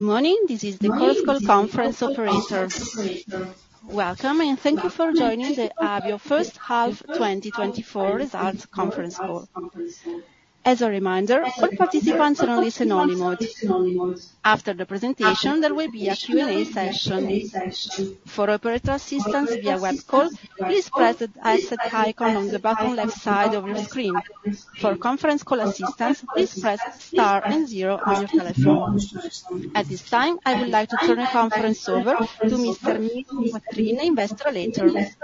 Good morning, this is the Chorus Call conference operator. Welcome, and thank you for joining the Avio first half 2024 results conference call. As a reminder, all participants are on listen-only mode. After the presentation, there will be a Q&A session. For operator assistance via web call, please press the assist icon on the bottom left side of your screen. For conference call assistance, please press star and zero on your telephone. At this time, I would like to turn the conference over to Mr. Nevio Quattrin, Investor Relations.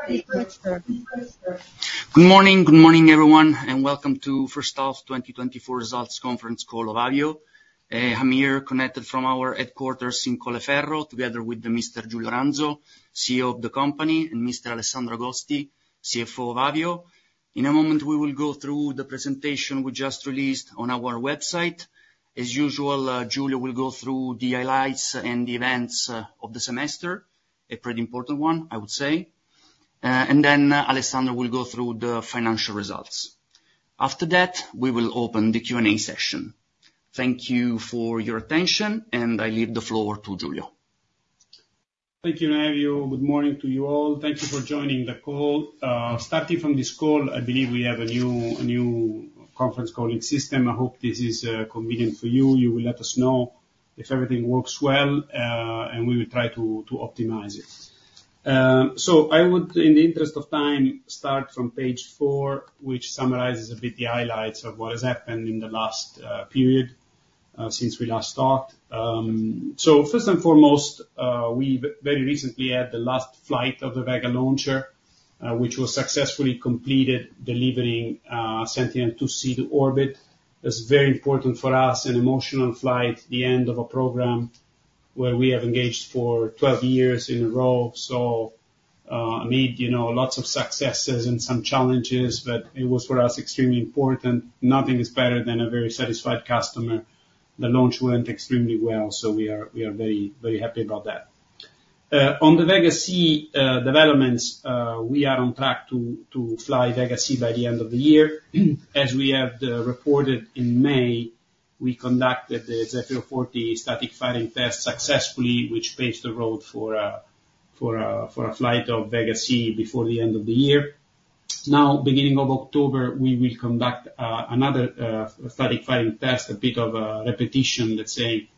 Good morning. Good morning, everyone, and welcome to first half twenty twenty-four results conference call of Avio. I'm here connected from our headquarters in Colleferro, together with Mr. Giulio Ranzo, CEO of the company, and Mr. Alessandro Agosti, CFO of Avio. In a moment, we will go through the presentation we just released on our website. As usual, Giulio will go through the highlights and the events of the semester, a pretty important one, I would say. And then Alessandro will go through the financial results. After that, we will open the Q&A session. Thank you for your attention, and I leave the floor to Giulio. Thank you, Mario. Good morning to you all. Thank you for joining the call. Starting from this call, I believe we have a new, a new conference calling system. I hope this is convenient for you. You will let us know if everything works well, and we will try to optimize it. I would, in the interest of time, start from page four, which summarizes a bit the highlights of what has happened in the last period, since we last talked. First and foremost, we very recently had the last flight of the Vega launcher, which was successfully completed, delivering Sentinel-2C to orbit. It's very important for us, an emotional flight, the end of a program where we have engaged for 12 years in a row. Made, you know, lots of successes and some challenges, but it was, for us, extremely important. Nothing is better than a very satisfied customer. The launch went extremely well, so we are very, very happy about that. On the Vega C developments, we are on track to fly Vega C by the end of the year. As we have reported in May, we conducted the Zefiro 40 static firing test successfully, which paves the road for a flight of Vega C before the end of the year. Now, beginning of October, we will conduct another static firing test, a bit of a repetition, let's say,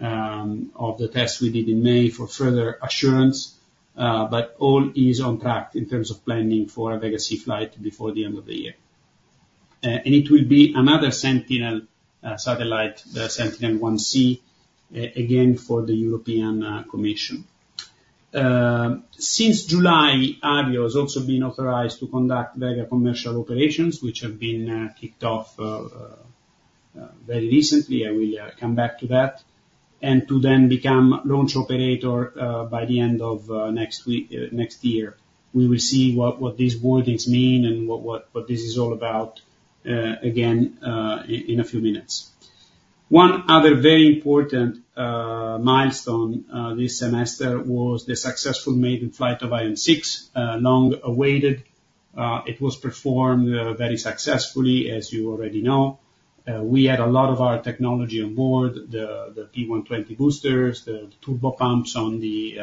of the test we did in May, for further assurance. But all is on track in terms of planning for a Vega C flight before the end of the year. And it will be another Sentinel satellite, the Sentinel-1C, again, for the European Commission. Since July, Avio has also been authorized to conduct Vega commercial operations, which have been kicked off very recently. I will come back to that, and to then become launch operator by the end of next week- next year. We will see what these wordings mean and what this is all about, again, in a few minutes. One other very important milestone this semester was the successful maiden flight of Ariane 6, long-awaited. It was performed very successfully, as you already know. We had a lot of our technology on board, the P120 boosters, the turbo pumps on the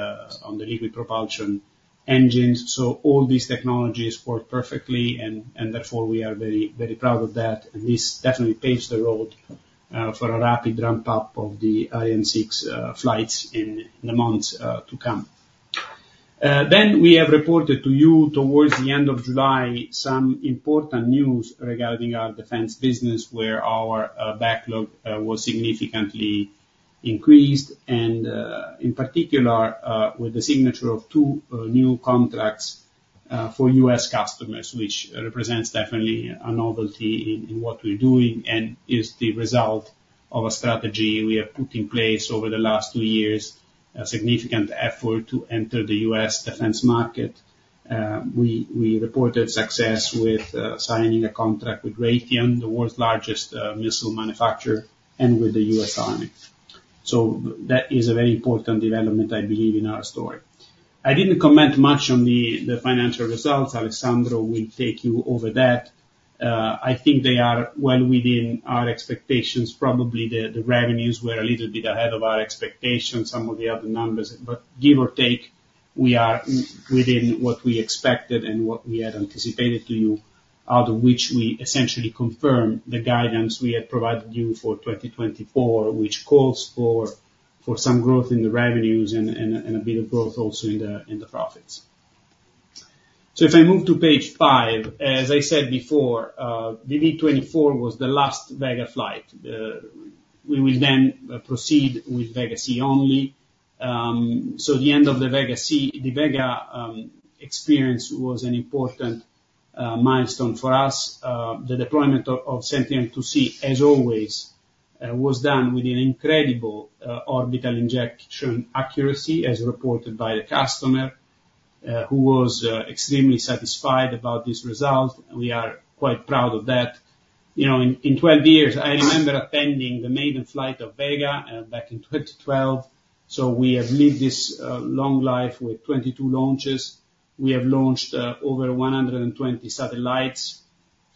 liquid propulsion engines. So all these technologies worked perfectly, and therefore, we are very, very proud of that, and this definitely paves the road for a rapid ramp-up of the Ariane 6 flights in the months to come. Then we have reported to you towards the end of July some important news regarding our defense business, where our backlog was significantly increased, and in particular, with the signature of two new contracts for U.S. customers, which represents definitely a novelty in what we're doing and is the result of a strategy we have put in place over the last two years, a significant effort to enter the U.S. defense market. We reported success with signing a contract with Raytheon, the world's largest missile manufacturer, and with the U.S. Army. So that is a very important development, I believe, in our story. I didn't comment much on the financial results. Alessandro will take you over that. I think they are well within our expectations. Probably, the revenues were a little bit ahead of our expectations, some of the other numbers, but give or take, we are within what we expected and what we had anticipated to you, out of which we essentially confirm the guidance we had provided you for twenty twenty-four, which calls for some growth in the revenues and a bit of growth also in the profits. So if I move to page five, as I said before, VV twenty-four was the last Vega flight. We will then proceed with Vega C only, so the end of the Vega C, the Vega experience was an important milestone for us. The deployment of Sentinel-2C, as always, was done with an incredible orbital injection accuracy, as reported by the customer, who was extremely satisfied about this result. We are quite proud of that. You know, in twelve years, I remember attending the maiden flight of Vega back in twenty twelve, so we have lived this long life with twenty-two launches. We have launched over one hundred and twenty satellites.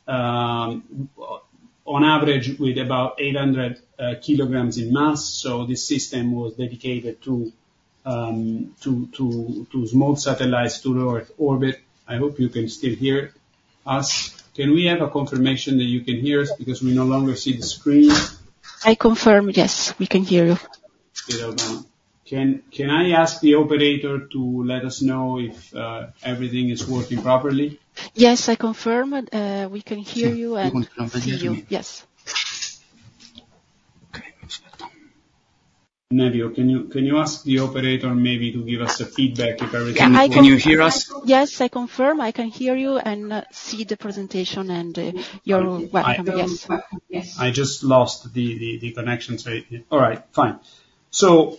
On average, with about eight hundred kilograms in mass, so the system was dedicated to small satellites to low Earth orbit. I hope you can still hear us. Can we have a confirmation that you can hear us? Because we no longer see the screen. I confirm, yes, we can hear you. Can I ask the operator to let us know if everything is working properly? Yes, I confirm, we can hear you and- We can confirm- See you. Yes. Okay. Nevio, can you, can you ask the operator maybe to give us a feedback if everything- Yeah, I can- Can you hear us? Yes, I confirm. I can hear you and see the presentation and, you're welcome. Yes. Yes. I just lost the connection, so all right, fine. So,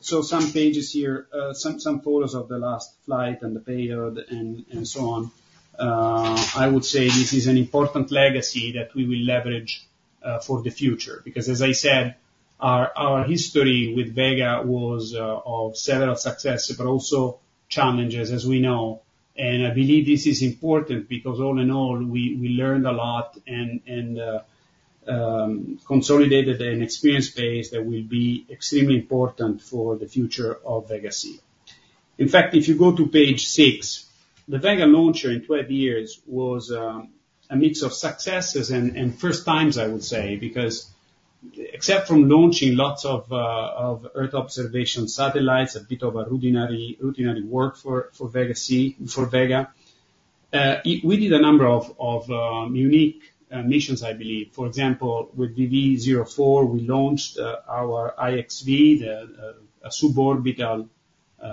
some pages here, some photos of the last flight and the payload and so on. I would say this is an important legacy that we will leverage for the future, because as I said, our history with Vega was of several success, but also challenges, as we know, and I believe this is important because all in all, we learned a lot and consolidated an experience base that will be extremely important for the future of Vega C. In fact, if you go to page six, the Vega launcher in twelve years was a mix of successes and first times, I would say, because except from launching lots of Earth observation satellites, a bit of a routine work for Vega, we did a number of unique missions, I believe. For example, with VV zero four, we launched our IXV, a suborbital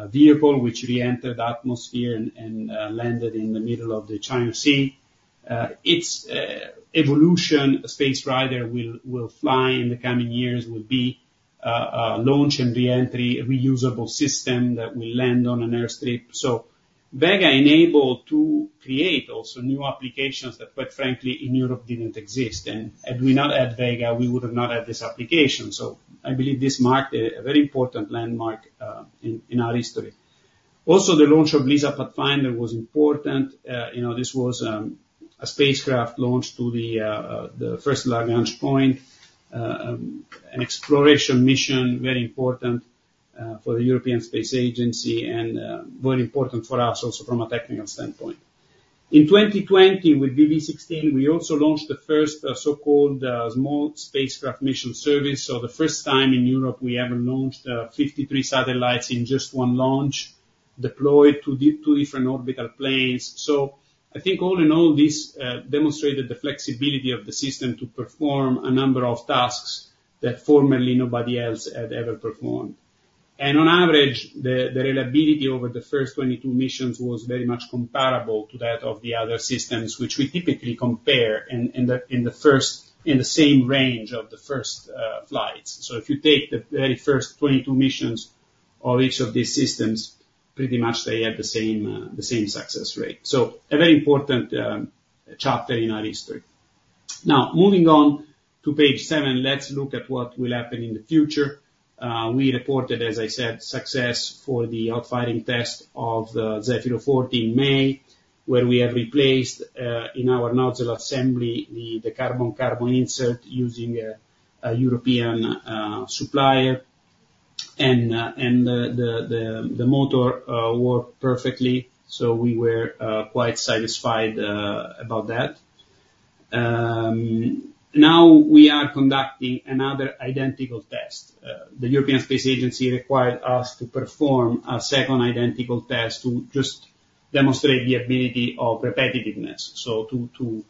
vehicle, which reentered the atmosphere and landed in the middle of the China Sea. Its evolution, Space Rider, will fly in the coming years, will be a launch and reentry reusable system that will land on an airstrip. Vega enabled to create also new applications that, quite frankly, in Europe, didn't exist, and had we not had Vega, we would have not had this application. I believe this marked a very important landmark in our history. Also, the launch of LISA Pathfinder was important. You know, this was a spacecraft launched to the first Lagrange point, an exploration mission, very important for the European Space Agency and very important for us also from a technical standpoint. In 2020, with VV16, we also launched the first so-called Small Spacecraft Mission Service. The first time in Europe we ever launched 53 satellites in just one launch, deployed to two different orbital planes. So I think all in all, this demonstrated the flexibility of the system to perform a number of tasks that formerly nobody else had ever performed. And on average, the reliability over the first twenty-two missions was very much comparable to that of the other systems, which we typically compare in the same range of the first flights. So if you take the very first twenty-two missions of each of these systems, pretty much they had the same success rate. So a very important chapter in our history. Now, moving on to page seven, let's look at what will happen in the future. We reported, as I said, success for the static firing test of the Zefiro 40 in May, where we have replaced in our nozzle assembly the carbon-carbon insert using a European supplier, and the motor worked perfectly, so we were quite satisfied about that. Now we are conducting another identical test. The European Space Agency required us to perform a second identical test to just demonstrate the ability of repetitiveness, so to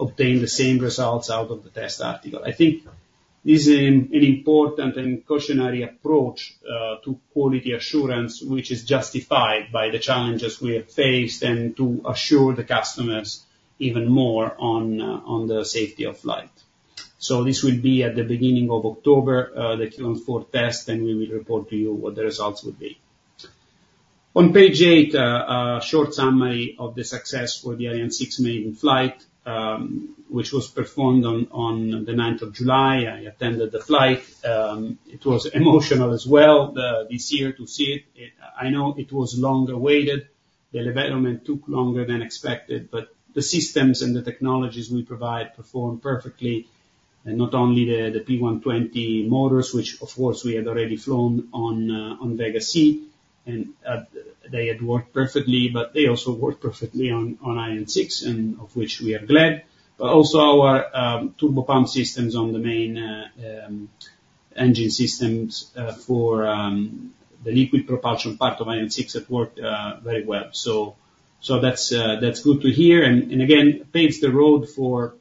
obtain the same results out of the test article. I think this is an important and cautionary approach to quality assurance, which is justified by the challenges we have faced, and to assure the customers even more on the safety of flight. So this will be at the beginning of October, the Q4 test, and we will report to you what the results will be. On page eight, a short summary of the success for the Ariane 6 maiden flight, which was performed on the ninth of July. I attended the flight. It was emotional as well, this year to see it. I know it was long awaited. The development took longer than expected, but the systems and the technologies we provide performed perfectly, and not only the P120 motors, which of course, we had already flown on Vega C, and they had worked perfectly, but they also worked perfectly on Ariane 6, and of which we are glad. But also our turbo pump systems on the main engine systems for the liquid propulsion part of Ariane 6, it worked very well. So that's good to hear and again paves the road for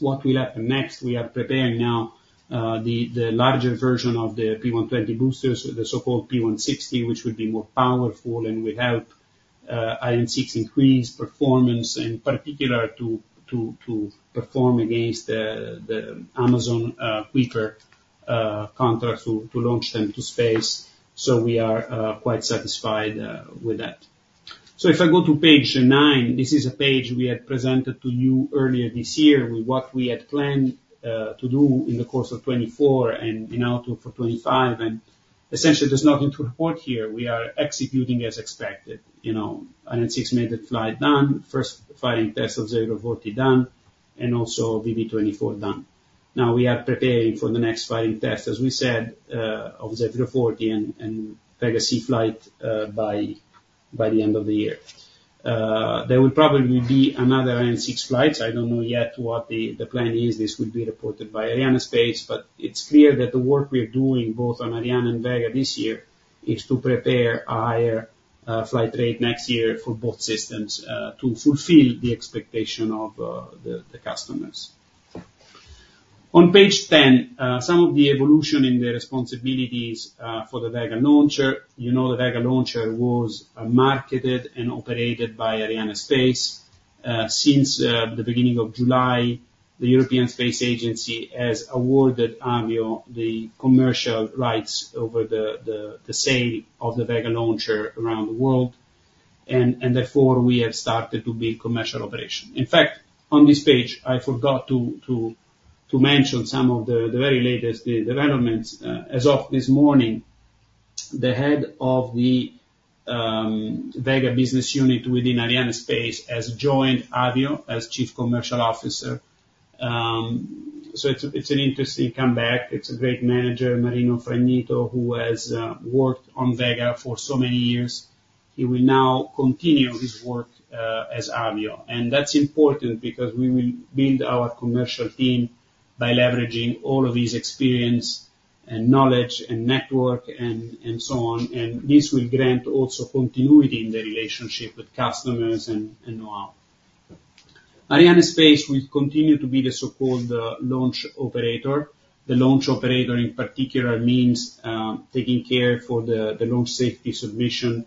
what will happen next. We are preparing now the larger version of the P120 boosters, the so-called P160, which would be more powerful and will help Ariane 6 increase performance, in particular to perform against the Amazon Kuiper contract to launch them to space. So we are quite satisfied with that. So if I go to page 9, this is a page we had presented to you earlier this year, with what we had planned to do in the course of 2024 and in outlook for 2025, and essentially, there's nothing to report here. We are executing as expected, you know, and then Ariane 6 made the flight done, first flying test of Zefiro 40 done, and also VV24 done. Now we are preparing for the next flying test, as we said, of Zefiro 40 and Vega C flight by the end of the year. There will probably be another Ariane 6 flights. I don't know yet what the plan is. This will be reported by Arianespace, but it's clear that the work we are doing, both on Ariane and Vega this year, is to prepare a higher flight rate next year for both systems to fulfill the expectation of the customers. On page 10, some of the evolution in the responsibilities for the Vega launcher. You know, the Vega launcher was marketed and operated by Arianespace. Since the beginning of July, the European Space Agency has awarded Avio the commercial rights over the sale of the Vega launcher around the world, and therefore, we have started to build commercial operation. In fact, on this page, I forgot to mention some of the very latest developments. As of this morning, the head of the Vega business unit within Arianespace has joined Avio as Chief Commercial Officer. So it's an interesting comeback. It's a great manager, Marino Fragnito, who has worked on Vega for so many years. He will now continue his work as Avio. And that's important, because we will build our commercial team by leveraging all of his experience, and knowledge, and network, and so on. And this will grant also continuity in the relationship with customers and well. Arianespace will continue to be the so-called launch operator. The launch operator, in particular, means taking care for the launch safety submission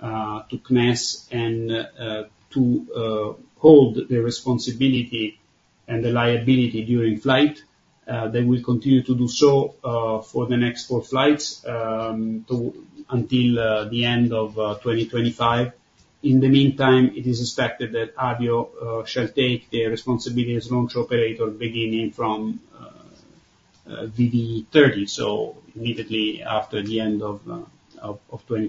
to CNES and to hold the responsibility and the liability during flight. They will continue to do so for the next four flights until the end of twenty twenty-five. In the meantime, it is expected that Avio shall take the responsibility as launch operator, beginning from VV-30, so immediately after the end of twenty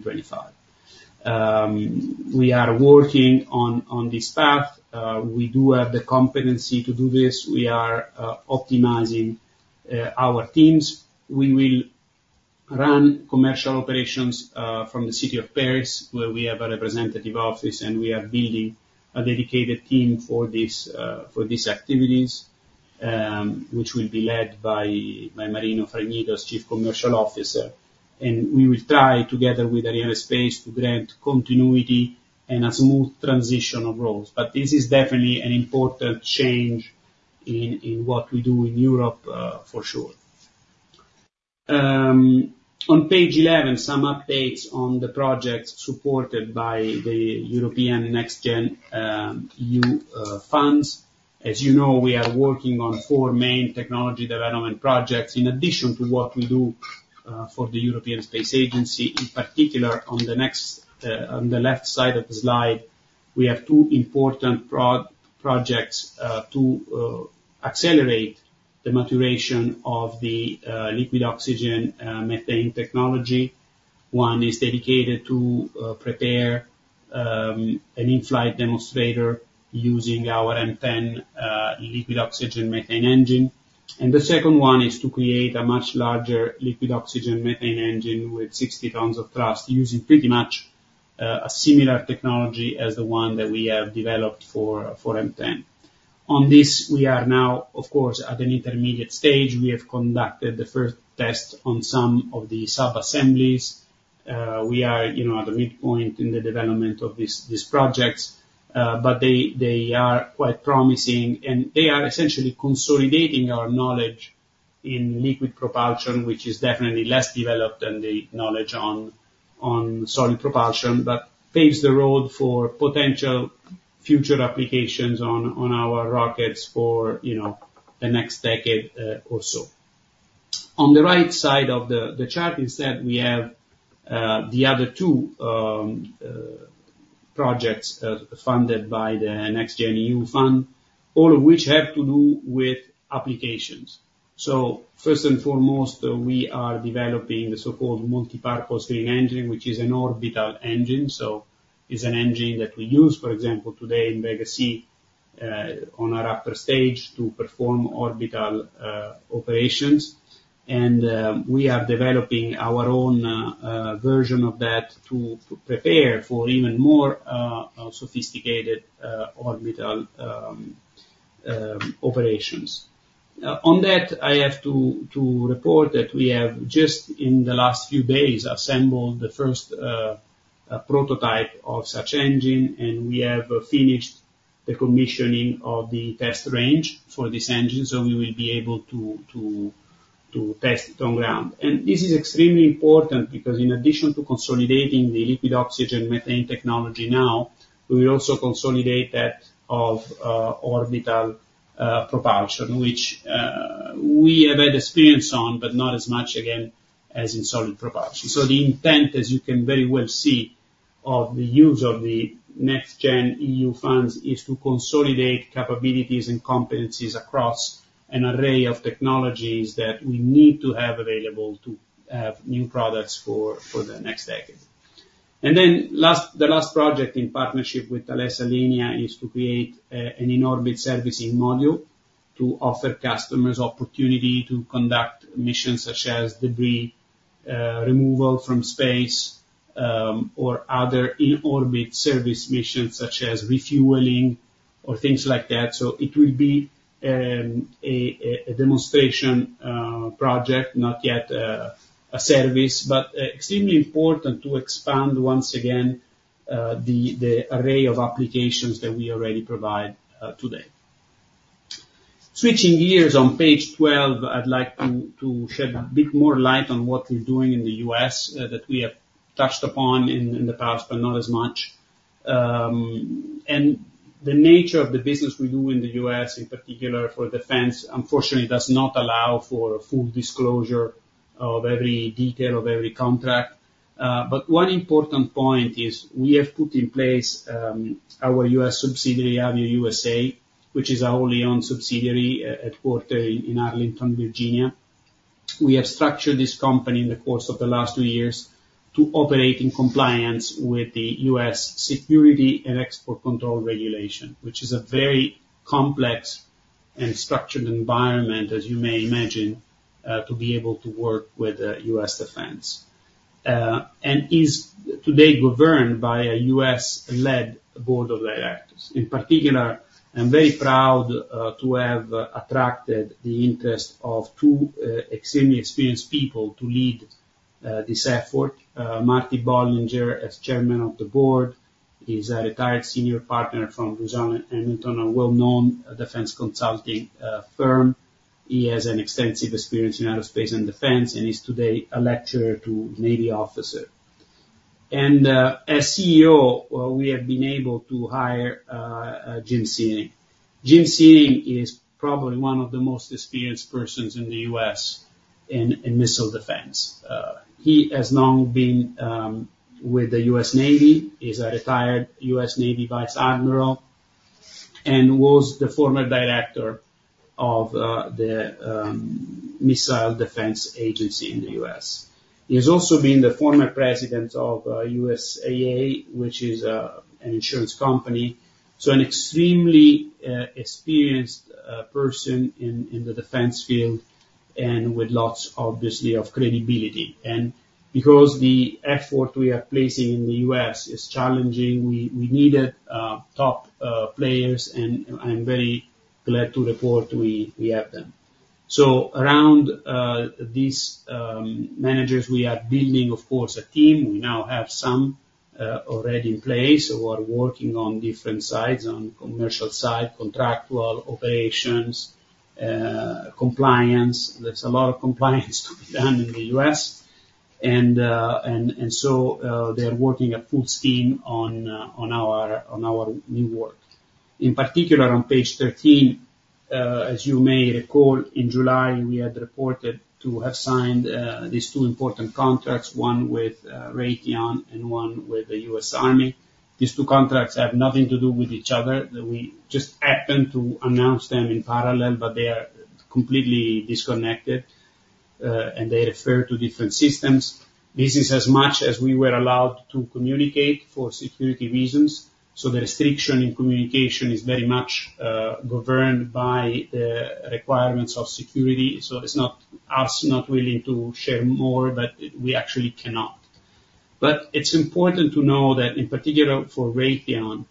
twenty-five. We are working on this path. We do have the competency to do this. We are optimizing our teams. We will run commercial operations from the city of Paris, where we have a representative office, and we are building a dedicated team for this for these activities, which will be led by Marino Frignito, Chief Commercial Officer. We will try together with Arianespace to grant continuity and a smooth transition of roles. This is definitely an important change in what we do in Europe for sure. On page 11, some updates on the projects supported by the European NextGen EU funds. As you know, we are working on four main technology development projects in addition to what we do for the European Space Agency. In particular, on the left side of the slide, we have two important projects to accelerate the maturation of the liquid oxygen methane technology. One is dedicated to prepare an in-flight demonstrator using our M10 liquid oxygen-methane engine. And the second one is to create a much larger liquid oxygen-methane engine with 60 pounds of thrust, using pretty much a similar technology as the one that we have developed for M10. On this, we are now, of course, at an intermediate stage. We have conducted the first test on some of the subassemblies. We are, you know, at the midpoint in the development of these projects, but they are quite promising. And they are essentially consolidating our knowledge in liquid propulsion, which is definitely less developed than the knowledge on solid propulsion, but paves the road for potential future applications on our rockets for, you know, the next decade or so. On the right side of the chart instead, we have the other two projects funded by the NextGenEU fund, all of which have to do with applications, so first and foremost, we are developing the so-called Multi-Purpose Green Engine, which is an orbital engine, so it's an engine that we use, for example, today in Vega C on our upper stage, to perform orbital operations, and we are developing our own version of that, to prepare for even more sophisticated orbital operations. On that, I have to report that we have just, in the last few days, assembled the first prototype of such engine, and we have finished the commissioning of the test range for this engine, so we will be able to test it on ground. And this is extremely important, because in addition to consolidating the liquid oxygen methane technology now, we will also consolidate that of orbital propulsion, which we have had experience on, but not as much, again, as in solid propulsion. So the intent, as you can very well see, of the use of the NextGen EU funds is to consolidate capabilities and competencies across an array of technologies that we need to have available to have new products for the next decade. And then last, the last project, in partnership with Thales Alenia, is to create an in-orbit servicing module to offer customers opportunity to conduct missions such as debris removal from space, or other in-orbit service missions, such as refueling or things like that. So it will be a demonstration project, not yet a service, but extremely important to expand once again the array of applications that we already provide today. Switching gears, on page twelve, I'd like to shed a bit more light on what we're doing in the U.S., that we have touched upon in the past, but not as much. And the nature of the business we do in the U.S., in particular for defense, unfortunately, does not allow for full disclosure of every detail of every contract. But one important point is, we have put in place our U.S. subsidiary, Avio USA, which is our only owned subsidiary, headquartered in Arlington, Virginia. We have structured this company in the course of the last two years to operate in compliance with the U.S. Security and Export Control Regulation, which is a very complex and structured environment, as you may imagine, to be able to work with U.S. defense, and is today governed by a U.S.-led board of directors. In particular, I'm very proud to have attracted the interest of two extremely experienced people to lead this effort. Marty Bollinger as chairman of the board. He's a retired senior partner from Booz Allen Hamilton, a well-known defense consulting firm. He has an extensive experience in aerospace and defense and is today a lecturer to Navy officer. And as CEO, we have been able to hire Jim Syring. Jim Syring is probably one of the most experienced persons in the U.S. in missile defense. He has long been with the U.S. Navy. He's a retired U.S. Navy Vice Admiral and was the former director of the Missile Defense Agency in the U.S. He has also been the former president of USAA, which is an insurance company. So an extremely experienced person in the defense field and with lots, obviously, of credibility. Because the effort we are placing in the U.S. is challenging, we needed top players, and I'm very glad to report we have them. So around these managers, we are building, of course, a team. We now have some already in place who are working on different sides, on the commercial side, contractual, operations, compliance. There's a lot of compliance to be done in the U.S. And so, they are working at full steam on our new work. In particular, on page 13, as you may recall, in July, we had reported to have signed these two important contracts, one with Raytheon and one with the U.S. Army. These two contracts have nothing to do with each other. We just happened to announce them in parallel, but they are completely disconnected, and they refer to different systems. This is as much as we were allowed to communicate for security reasons, so the restriction in communication is very much governed by the requirements of security. So it's not us not willing to share more, but we actually cannot. But it's important to know that in particular for Raytheon,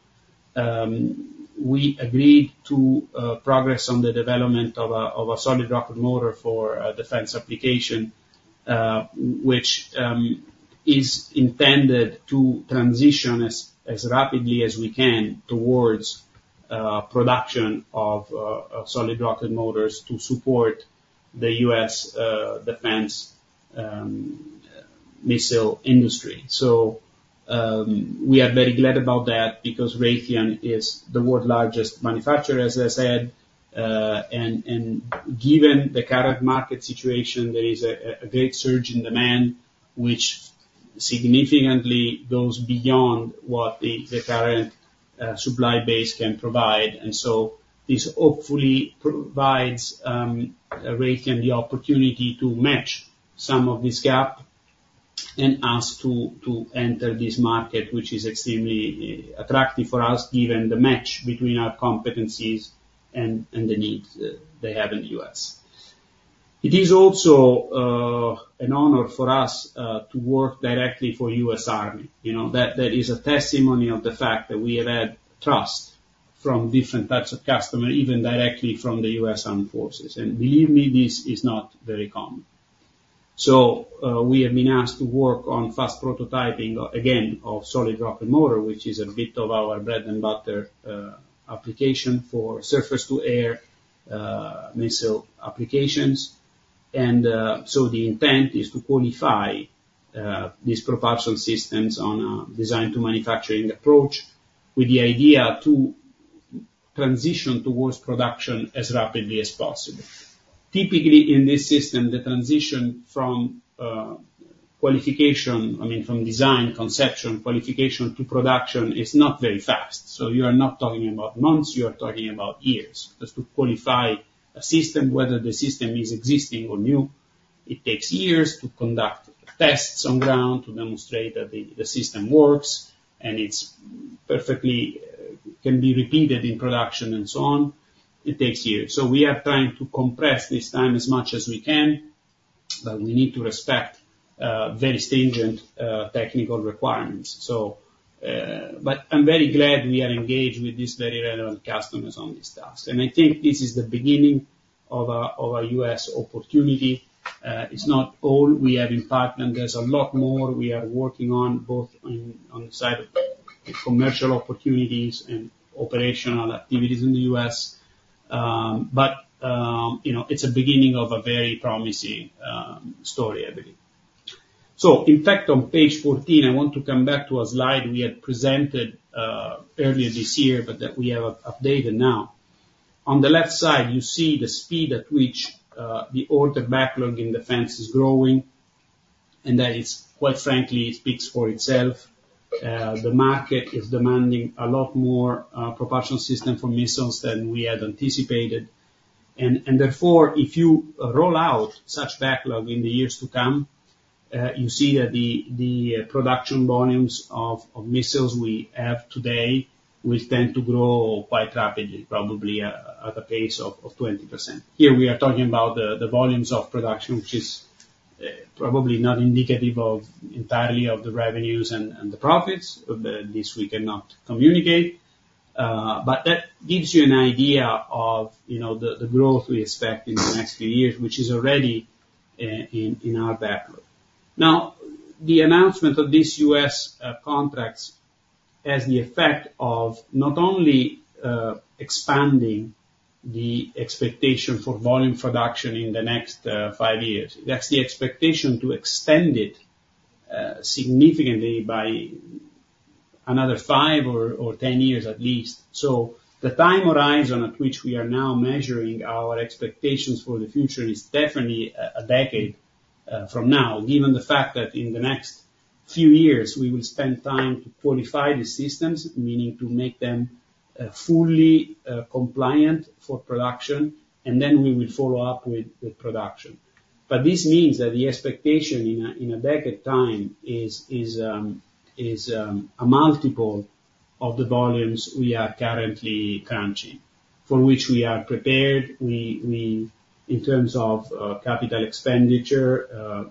we agreed to progress on the development of a solid rocket motor for a defense application, which is intended to transition as rapidly as we can towards production of solid rocket motors to support the U.S. defense missile industry. So, we are very glad about that because Raytheon is the world's largest manufacturer, as I said. And given the current market situation, there is a great surge in demand, which significantly goes beyond what the current supply base can provide. And so this hopefully provides Raytheon the opportunity to match some of this gap, and us to enter this market, which is extremely attractive for us, given the match between our competencies and the needs they have in the US. It is also an honor for us to work directly for US Army. You know, that is a testimony of the fact that we have had trust from different types of customers, even directly from the US Armed Forces. And believe me, this is not very common. So we have been asked to work on fast prototyping, again, of solid rocket motor, which is a bit of our bread-and-butter application for surface-to-air missile applications. And so the intent is to qualify these propulsion systems on a design-to-manufacturing approach, with the idea to-... Transition towards production as rapidly as possible. Typically, in this system, the transition from, qualification, I mean, from design, conception, qualification to production, is not very fast. So you are not talking about months, you are talking about years. Just to qualify a system, whether the system is existing or new, it takes years to conduct tests on ground to demonstrate that the system works, and it's perfectly, can be repeated in production and so on. It takes years. So we are trying to compress this time as much as we can, but we need to respect, very stringent, technical requirements. So, but I'm very glad we are engaged with these very relevant customers on this task. And I think this is the beginning of a, of a US opportunity. It's not all we have in partner. There's a lot more we are working on, both on the side of the commercial opportunities and operational activities in the U.S. But you know, it's a beginning of a very promising story, I believe. So in fact, on page fourteen, I want to come back to a slide we had presented earlier this year, but that we have updated now. On the left side, you see the speed at which the order backlog in defense is growing, and that is, quite frankly, it speaks for itself. The market is demanding a lot more propulsion system for missiles than we had anticipated. And therefore, if you roll out such backlog in the years to come, you see that the production volumes of missiles we have today will tend to grow quite rapidly, probably at a pace of 20%. Here, we are talking about the volumes of production, which is probably not indicative entirely of the revenues and the profits, this we cannot communicate. But that gives you an idea of, you know, the growth we expect in the next few years, which is already in our backlog. Now, the announcement of this U.S. contracts has the effect of not only expanding the expectation for volume production in the next five years, that's the expectation to extend it significantly by another five or ten years at least. So the time horizon at which we are now measuring our expectations for the future is definitely a decade from now. Given the fact that in the next few years, we will spend time to qualify the systems, meaning to make them fully compliant for production, and then we will follow up with the production. But this means that the expectation in a decade time is a multiple of the volumes we are currently crunching, for which we are prepared. We in terms of capital expenditure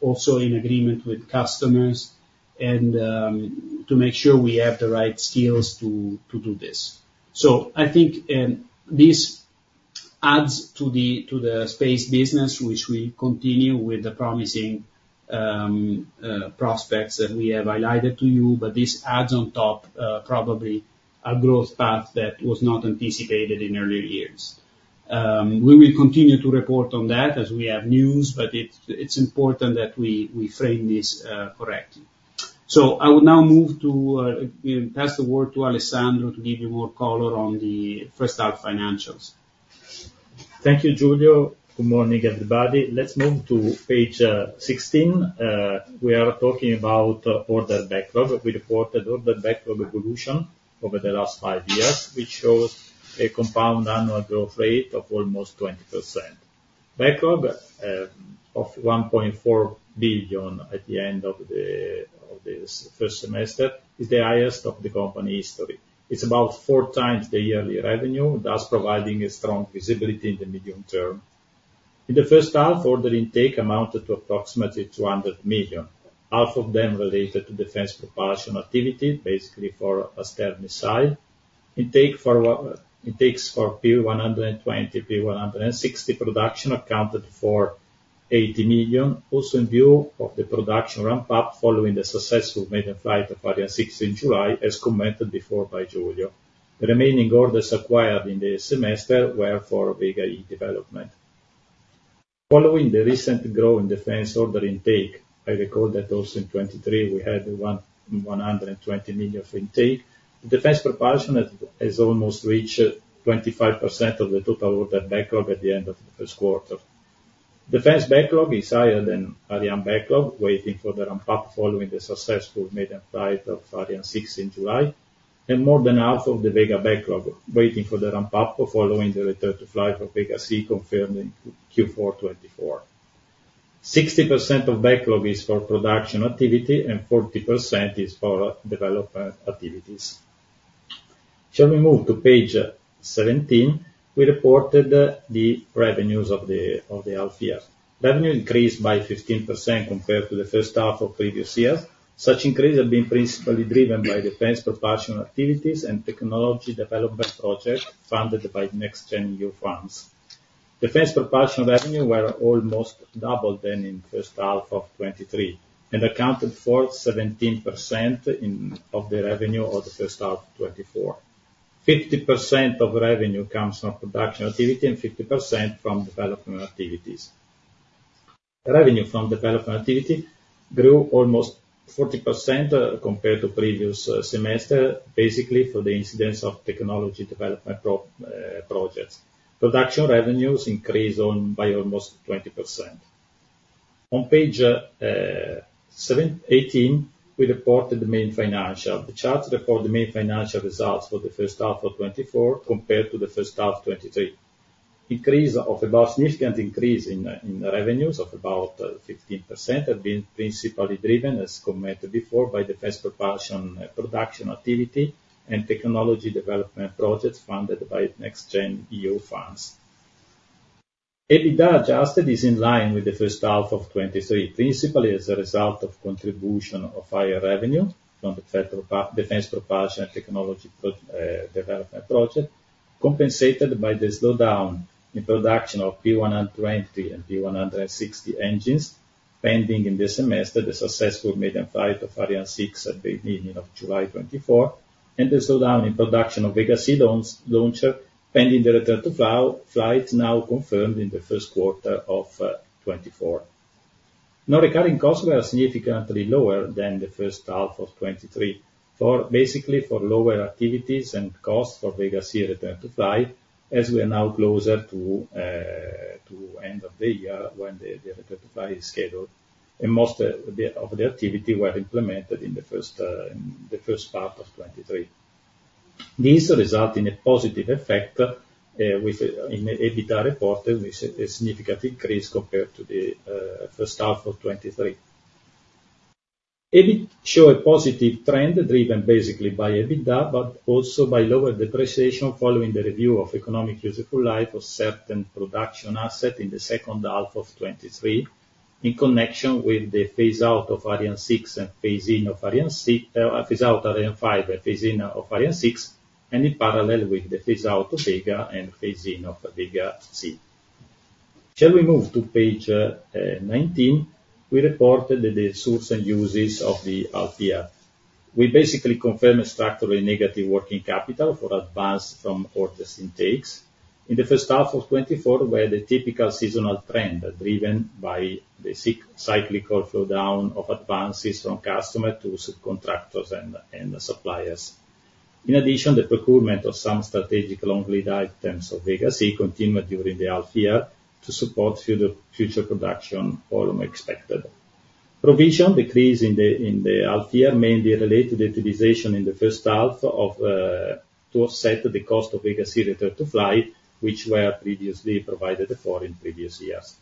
also in agreement with customers, and to make sure we have the right skills to do this. So I think this adds to the space business, which we continue with the promising prospects that we have highlighted to you, but this adds on top probably a growth path that was not anticipated in earlier years. We will continue to report on that as we have news, but it's important that we frame this correctly. So I will now move to, you know, pass the word to Alessandro to give you more color on the first half financials. Thank you, Giulio. Good morning, everybody. Let's move to page 16. We are talking about order backlog. We reported order backlog evolution over the last five years, which shows a compound annual growth rate of almost 20%. Backlog of 1.4 billion at the end of this first semester is the highest of the company history. It's about four times the yearly revenue, thus providing a strong visibility in the medium term. In the first half, order intake amounted to approximately 200 million, half of them related to defense propulsion activity, basically for Aster missile. Intakes for P120, P160 production accounted for 80 million, also in view of the production ramp-up following the successful maiden flight of Ariane 6 in July, as commented before by Giulio. The remaining orders acquired in this semester were for Vega E development. Following the recent growth in defense order intake, I recall that also in 2023, we had 120 million of intake. The defense propulsion has almost reached 25% of the total order backlog at the end of the first quarter. Defense backlog is higher than Ariane backlog, waiting for the ramp-up following the successful maiden flight of Ariane 6 in July, and more than half of the Vega backlog, waiting for the ramp-up following the return to flight for Vega C, confirmed in Q4 2024. 60% of backlog is for production activity, and 40% is for development activities. Shall we move to page 17? We reported the revenues of the half year. Revenue increased by 15% compared to the first half of previous years. Such increase have been principally driven by defense propulsion activities and technology development projects funded by NextGen EU funds. Defense propulsion revenue were almost double than in first half of 2023, and accounted for 17% of the revenue of the first half of 2024. 50% of revenue comes from production activity and 50% from development activities. Revenue from development activity grew almost 40% compared to previous semester, basically for the incidence of technology development projects. Production revenues increased by almost 20%. On page 718, we reported the main financial. The charts report the main financial results for the first half of 2024, compared to the first half 2023. Significant increase in revenues of about 15% have been principally driven, as commented before, by the defense propulsion production activity and technology development projects funded by NextGen EU funds. EBITDA adjusted is in line with the first half of 2023, principally as a result of contribution of higher revenue from the defense propulsion and technology development project, compensated by the slowdown in production of P120 and P160 engines, pending in the semester, the successful maiden flight of Ariane 6 at the beginning of July 2024, and the slowdown in production of Vega C launcher, pending the return to flight, now confirmed in the first quarter of 2024. Non-recurring costs were significantly lower than the first half of 2023, for basically lower activities and costs for Vega C return to flight, as we are now closer to the end of the year, when the return to flight is scheduled, and most of the activity were implemented in the first half of 2023. This result in a positive effect in the EBITDA report, and we see a significant increase compared to the first half of 2023. EBIT shows a positive trend, driven basically by EBITDA, but also by lower depreciation, following the review of economic useful life of certain production assets in the second half of 2023, in connection with the phase out Ariane 5 and phase-in of Ariane 6, and in parallel with the phase out of Vega and phase-in of Vega C. Shall we move to page 19. We reported the sources and uses of the half year. We basically confirmed a structurally negative working capital for advances from orders intakes. In the first half of 2024, we had a typical seasonal trend, driven by the cyclical flow down of advances from customer to subcontractors and suppliers. In addition, the procurement of some strategic long-lead items of Vega C continued during the half year to support future production, all expected. Provision decrease in the half year mainly relate to the utilization in the first half of to offset the cost of Vega-C return to flight, which were previously provided for in previous years.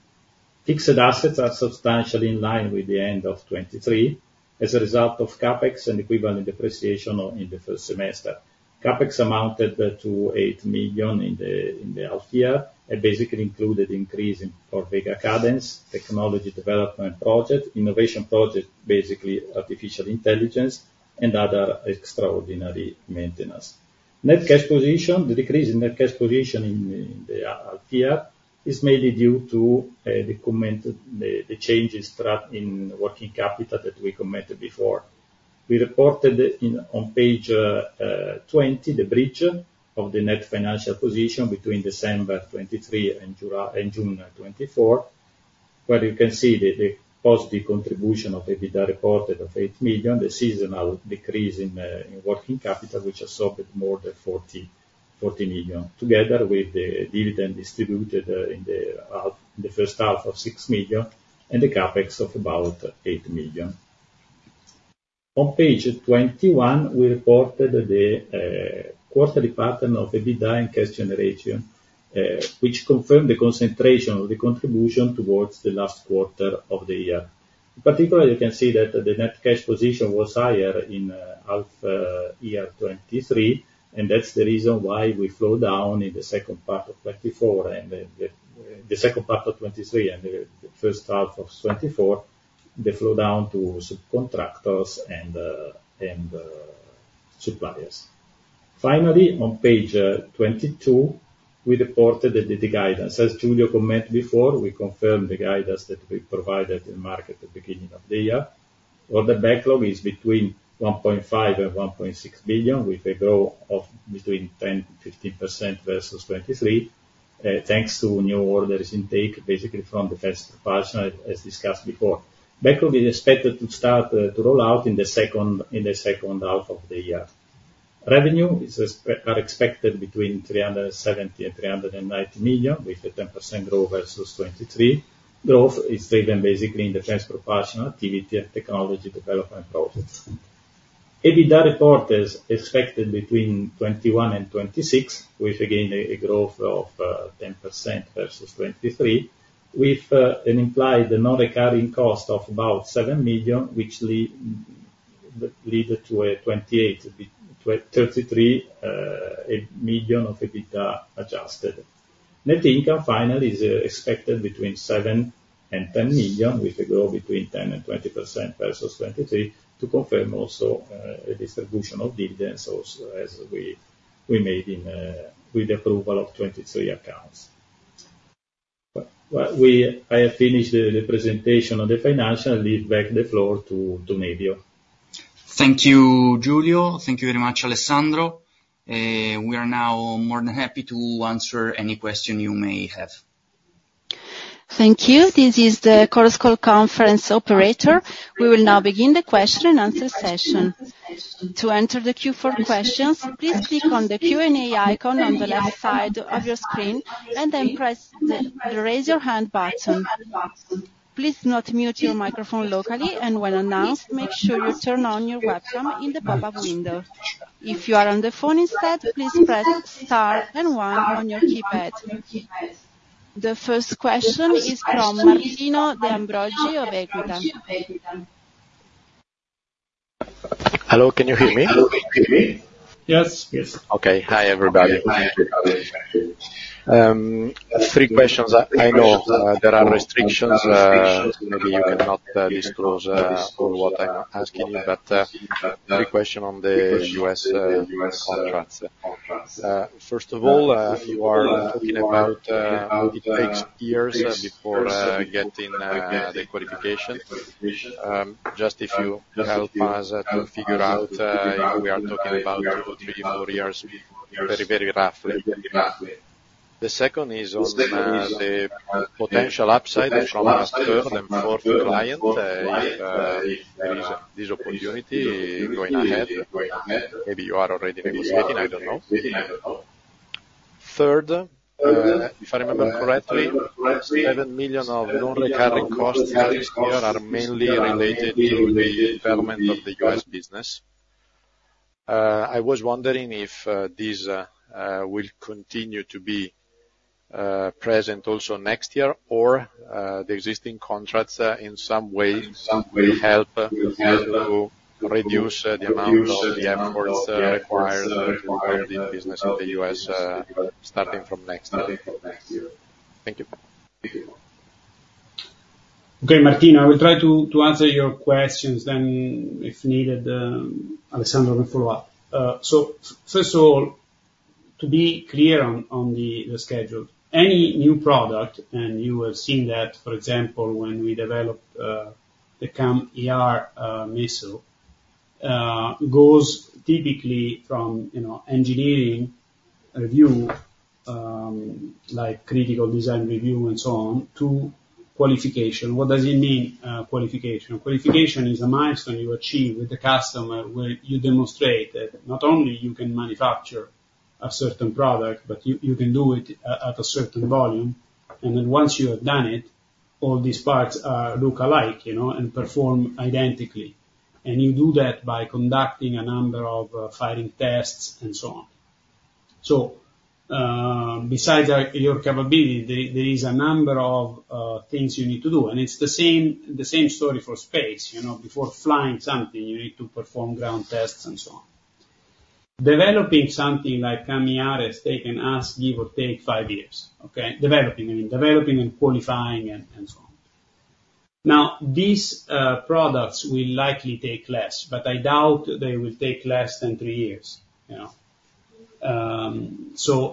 Fixed assets are substantially in line with the end of 2023, as a result of CapEx and equivalent depreciation in the first semester. CapEx amounted to 8 million in the half year, and basically included increase in for Vega cadence, technology development project, innovation project, basically artificial intelligence, and other extraordinary maintenance. Net cash position, the decrease in net cash position in the half year, is mainly due to the commented changes track in working capital that we commented before. We reported on page 20 the bridge of the net financial position between December 2023 and July, and June 2024, where you can see the positive contribution of EBITDA reported of 8 million, the seasonal decrease in working capital, which absorbed more than 40 million, together with the dividend distributed in the first half of 6 million, and the CapEx of about 8 million. On page 21, we reported the quarterly pattern of EBITDA and cash generation, which confirmed the concentration of the contribution towards the last quarter of the year. Particularly, you can see that the net cash position was higher in half year 2023, and that's the reason why we flow down in the second part of 2024, and the second part of 2023 and the first half of 2024, the flow down to subcontractors and suppliers. Finally, on page 22, we reported the guidance. As Giulio commented before, we confirmed the guidance that we provided in market at the beginning of the year, where the backlog is between 1.5 billion and 1.6 billion, with a growth of between 10% to 15% versus 2023, thanks to new orders intake, basically from defense propulsion, as discussed before. Backlog is expected to start to roll out in the second half of the year. Revenue is expected between 370 million and 390 million, with a 10% growth versus 2023. Growth is driven basically in the defense propulsion activity and technology development projects. EBITDA reported is expected between 21 and 26, with, again, a growth of 10% versus 2023, with an implied non-recurring cost of about 7 million, which leads to a 28-33 million of EBITDA adjusted. Net income, finally, is expected between 7 and 10 million, with a growth between 10% and 20% versus 2023, to confirm also a distribution of dividends, also, as we made in with approval of 2023 accounts. Well, we have finished the presentation on the financials. I hand back the floor to Nevio.... Thank you, Giulio. Thank you very much, Alessandro. We are now more than happy to answer any question you may have. Thank you. This is the Chorus Call Conference operator. We will now begin the question and answer session. To enter the queue for questions, please click on the Q&A icon on the left side of your screen, and then press the Raise Your Hand button. Please do not mute your microphone locally, and when announced, make sure you turn on your webcam in the pop-up window. If you are on the phone instead, please press Star and One on your keypad. The first question is from Martino De Ambroggi of Equita. Hello, can you hear me? Yes. Yes. Okay. Hi, everybody. Three questions. I know there are restrictions, maybe you will not disclose on what I'm asking you, but three questions on the U.S. contracts. First of all, you are talking about it takes years before getting the qualification. Just if you help us to figure out if we are talking about three more years, very, very roughly. The second is on the potential upside of the third and fourth client if there is this opportunity going ahead. Maybe you are already negotiating, I don't know. Third, if I remember correctly, 7 million of non-recurring costs this year are mainly related to the development of the U.S. business. I was wondering if these will continue to be present also next year, or the existing contracts in some way will help you to reduce the amount of the efforts required in building business in the U.S., starting from next year. Thank you. Okay, Martino, I will try to answer your questions, then if needed, Alessandro will follow up. So first of all, to be clear on the schedule, any new product, and you have seen that, for example, when we developed the CAMM-ER missile goes typically from, you know, engineering review, like critical design review and so on, to qualification. What does it mean, qualification? Qualification is a milestone you achieve with the customer, where you demonstrate that not only you can manufacture a certain product, but you can do it at a certain volume. And then once you have done it, all these parts are look alike, you know, and perform identically. And you do that by conducting a number of firing tests and so on. Besides our capability, there is a number of things you need to do, and it's the same story for space. You know, before flying something, you need to perform ground tests, and so on. Developing something like CAMM-ER has taken us give or take five years, okay? Developing, I mean, developing and qualifying and so on. Now, these products will likely take less, but I doubt they will take less than three years, you know?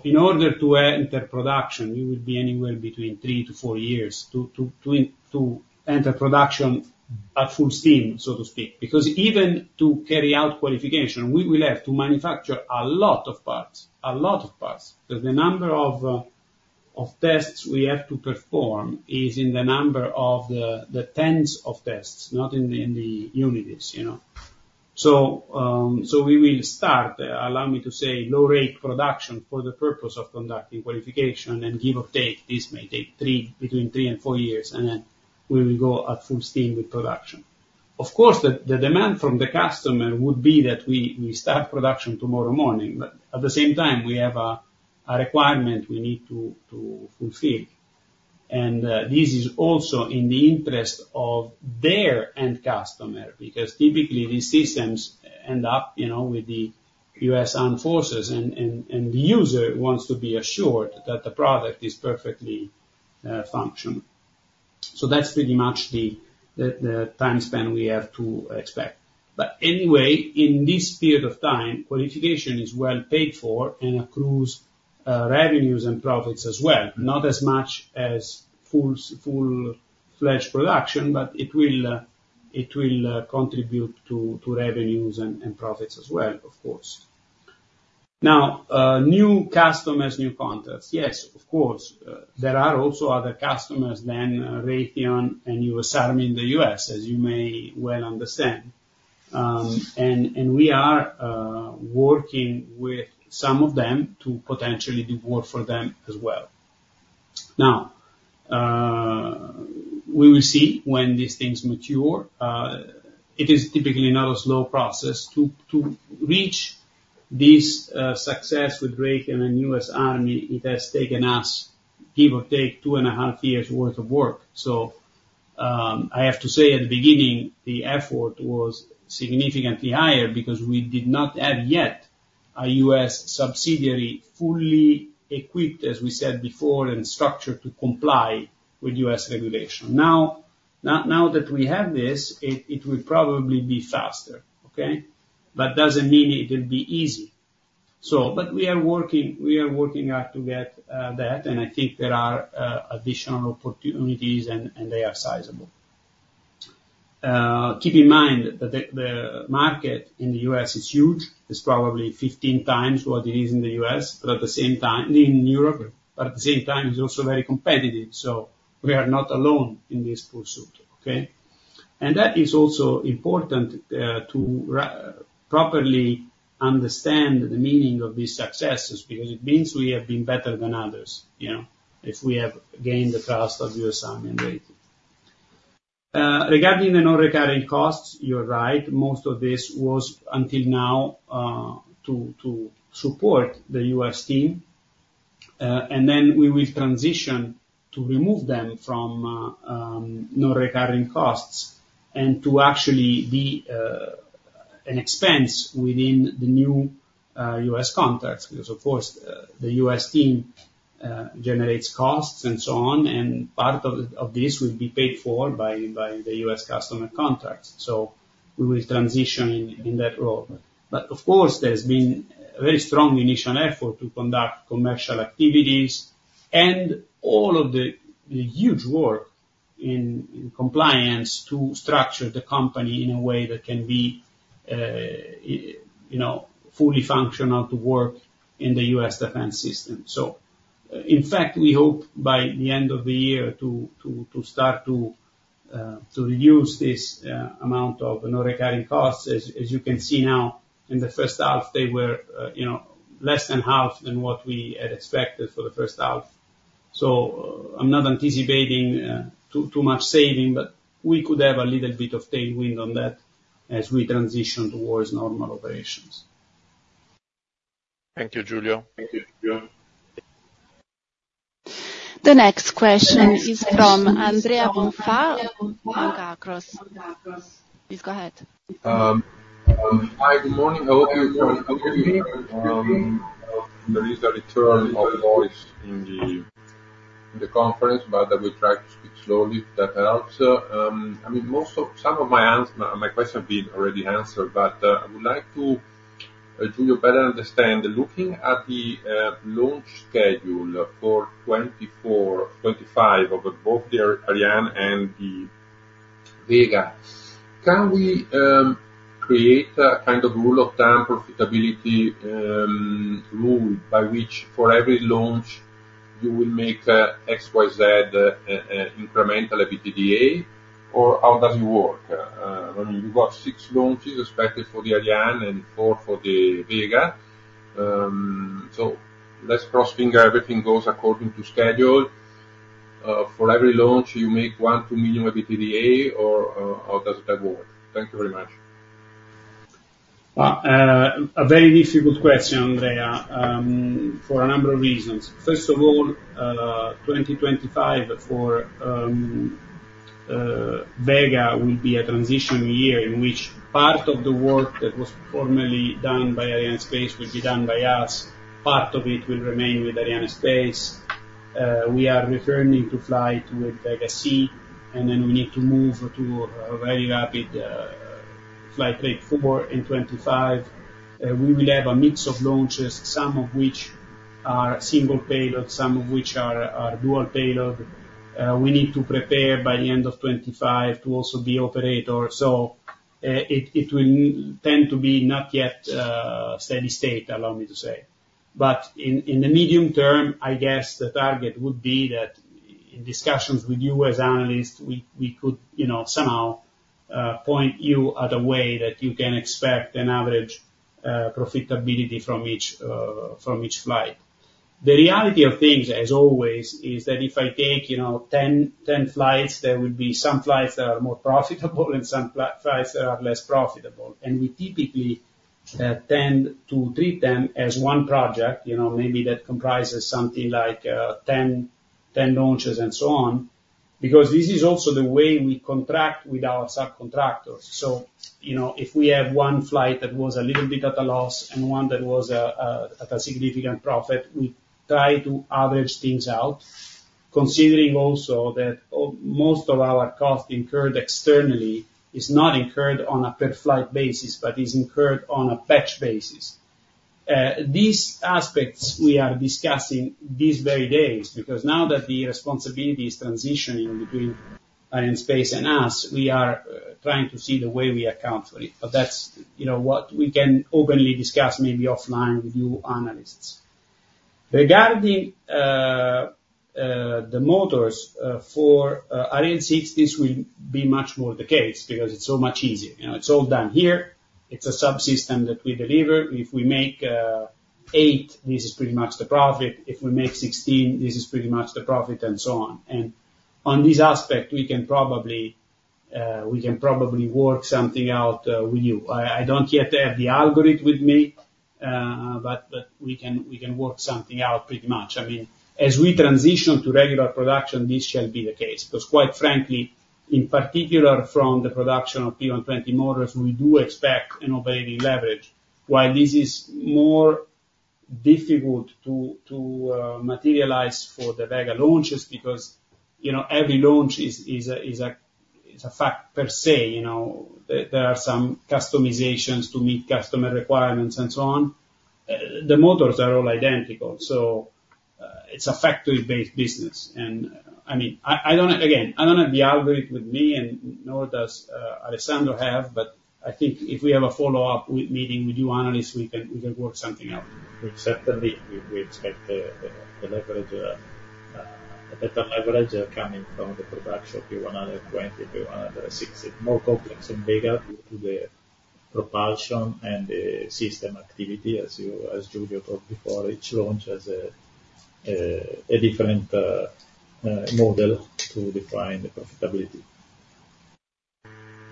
In order to enter production, we would be anywhere between three to four years to enter production at full steam, so to speak. Because even to carry out qualification, we will have to manufacture a lot of parts. The number of tests we have to perform is in the number of tens of tests, not in the units, you know. So we will start, allow me to say, low rate production for the purpose of conducting qualification, and give or take, this may take between three and four years, and then we will go at full steam with production. Of course, the demand from the customer would be that we start production tomorrow morning, but at the same time, we have a requirement we need to fulfill, and this is also in the interest of their end customer, because typically, these systems end up, you know, with the US Armed Forces, and the user wants to be assured that the product is perfectly functioning. So that's pretty much the time span we have to expect. But anyway, in this period of time, qualification is well paid for and accrues revenues and profits as well. Not as much as full-fledged production, but it will contribute to revenues and profits as well, of course. Now, new customers, new contracts. Yes, of course. There are also other customers than Raytheon and U.S. Army in the US, as you may well understand. And we are working with some of them to potentially do work for them as well. Now, we will see when these things mature. It is typically not a slow process. To reach this success with Raytheon and U.S. Army, it has taken us, give or take, two and a half years' worth of work. I have to say, at the beginning, the effort was significantly higher, because we did not have yet a U.S. subsidiary, fully equipped, as we said before, and structured to comply with U.S. regulation. Now that we have this, it will probably be faster, okay? But it doesn't mean it will be easy. But we are working hard to get that, and I think there are additional opportunities, and they are sizable. Keep in mind that the market in the U.S. is huge. It's probably 15 times what it is in Europe, but at the same time, it's also very competitive, so we are not alone in this pursuit, okay? That is also important to properly understand the meaning of these successes, because it means we have been better than others, you know, if we have gained the trust of U.S. Army and U.S. Navy. Regarding the non-recurring costs, you're right. Most of this was, until now, to support the U.S. team, and then we will transition to remove them from non-recurring costs and to actually be an expense within the new U.S. contracts, because, of course, the U.S. team generates costs and so on, and part of this will be paid for by the U.S. customer contracts, and we will transition in that role. But of course, there's been very strong initial effort to conduct commercial activities and all of the huge work in compliance to structure the company in a way that can be, you know, fully functional to work in the U.S. defense system. So, in fact, we hope by the end of the year to start to reduce this amount of non-recurring costs. As you can see now, in the first half, they were, you know, less than half than what we had expected for the first half. So I'm not anticipating too much saving, but we could have a little bit of tailwind on that as we transition towards normal operations. Thank you, Giulio. Thank you, Giulio. The next question is from Andrea Bonfa, from Jefferies. Please go ahead. Hi, good morning. I hope you can hear me. There is a return of voice in the conference, but I will try to speak slowly, if that helps. I mean, some of my questions have been already answered, but I would like to, Giulio, better understand, looking at the launch schedule for 2024/2025 of both the Ariane and the Vega, can we create a kind of rule of thumb profitability rule, by which for every launch, you will make XYZ incremental EBITDA? Or how does it work? When you've got six launches expected for the Ariane and four for the Vega, so let's cross fingers everything goes according to schedule. For every launch, you make one, two million EBITDA, or how does that work? Thank you very much. A very difficult question, Andrea, for a number of reasons. First of all, twenty twenty-five for Vega will be a transition year in which part of the work that was formerly done by Arianespace will be done by us. Part of it will remain with Arianespace. We are returning to fly to a Vega C, and then we need to move to a very rapid flight rate, four in twenty-five. We will have a mix of launches, some of which are single payload, some of which are dual payload. We need to prepare by the end of twenty-five to also be operator. So, it will tend to be not yet steady state, allow me to say. But in the medium term, I guess the target would be that in discussions with you as analysts, we could, you know, somehow point you at a way that you can expect an average profitability from each flight. The reality of things, as always, is that if I take, you know, 10, 10 flights, there would be some flights that are more profitable and some flights that are less profitable. And we typically tend to treat them as one project, you know, maybe that comprises something like 10, 10 launches, and so on. Because this is also the way we contract with our subcontractors. So, you know, if we have one flight that was a little bit at a loss, and one that was at a significant profit, we try to average things out, considering also that most of our cost incurred externally is not incurred on a per-flight basis, but is incurred on a batch basis. These aspects, we are discussing these very days, because now that the responsibility is transitioning between Arianespace and us, we are trying to see the way we account for it. But that's, you know, what we can openly discuss, maybe offline, with you analysts. Regarding the motors for Ariane 6, this will be much more the case, because it's so much easier. You know, it's all done here. It's a subsystem that we deliver. If we make eight, this is pretty much the profit. If we make 16, this is pretty much the profit, and so on. On this aspect, we can probably work something out with you. I don't yet have the algorithm with me, but we can work something out pretty much. I mean, as we transition to regular production, this shall be the case, because quite frankly, in particular, from the production of P-120 motors, we do expect an operating leverage, while this is more difficult to materialize for the Vega launches, because, you know, every launch is a fact per se, you know, that there are some customizations to meet customer requirements and so on. The motors are all identical, so it's a factory-based business, and I mean, I don't have-- Again, I don't have the algorithm with me, and nor does Alessandro have, but I think if we have a follow-up meeting with you analysts, we can work something out. We certainly expect the leverage, a better leverage coming from the production P120, P160, more complex and bigger due to the propulsion and the system activity, as Julio talked before, each launch has a different model to define the profitability.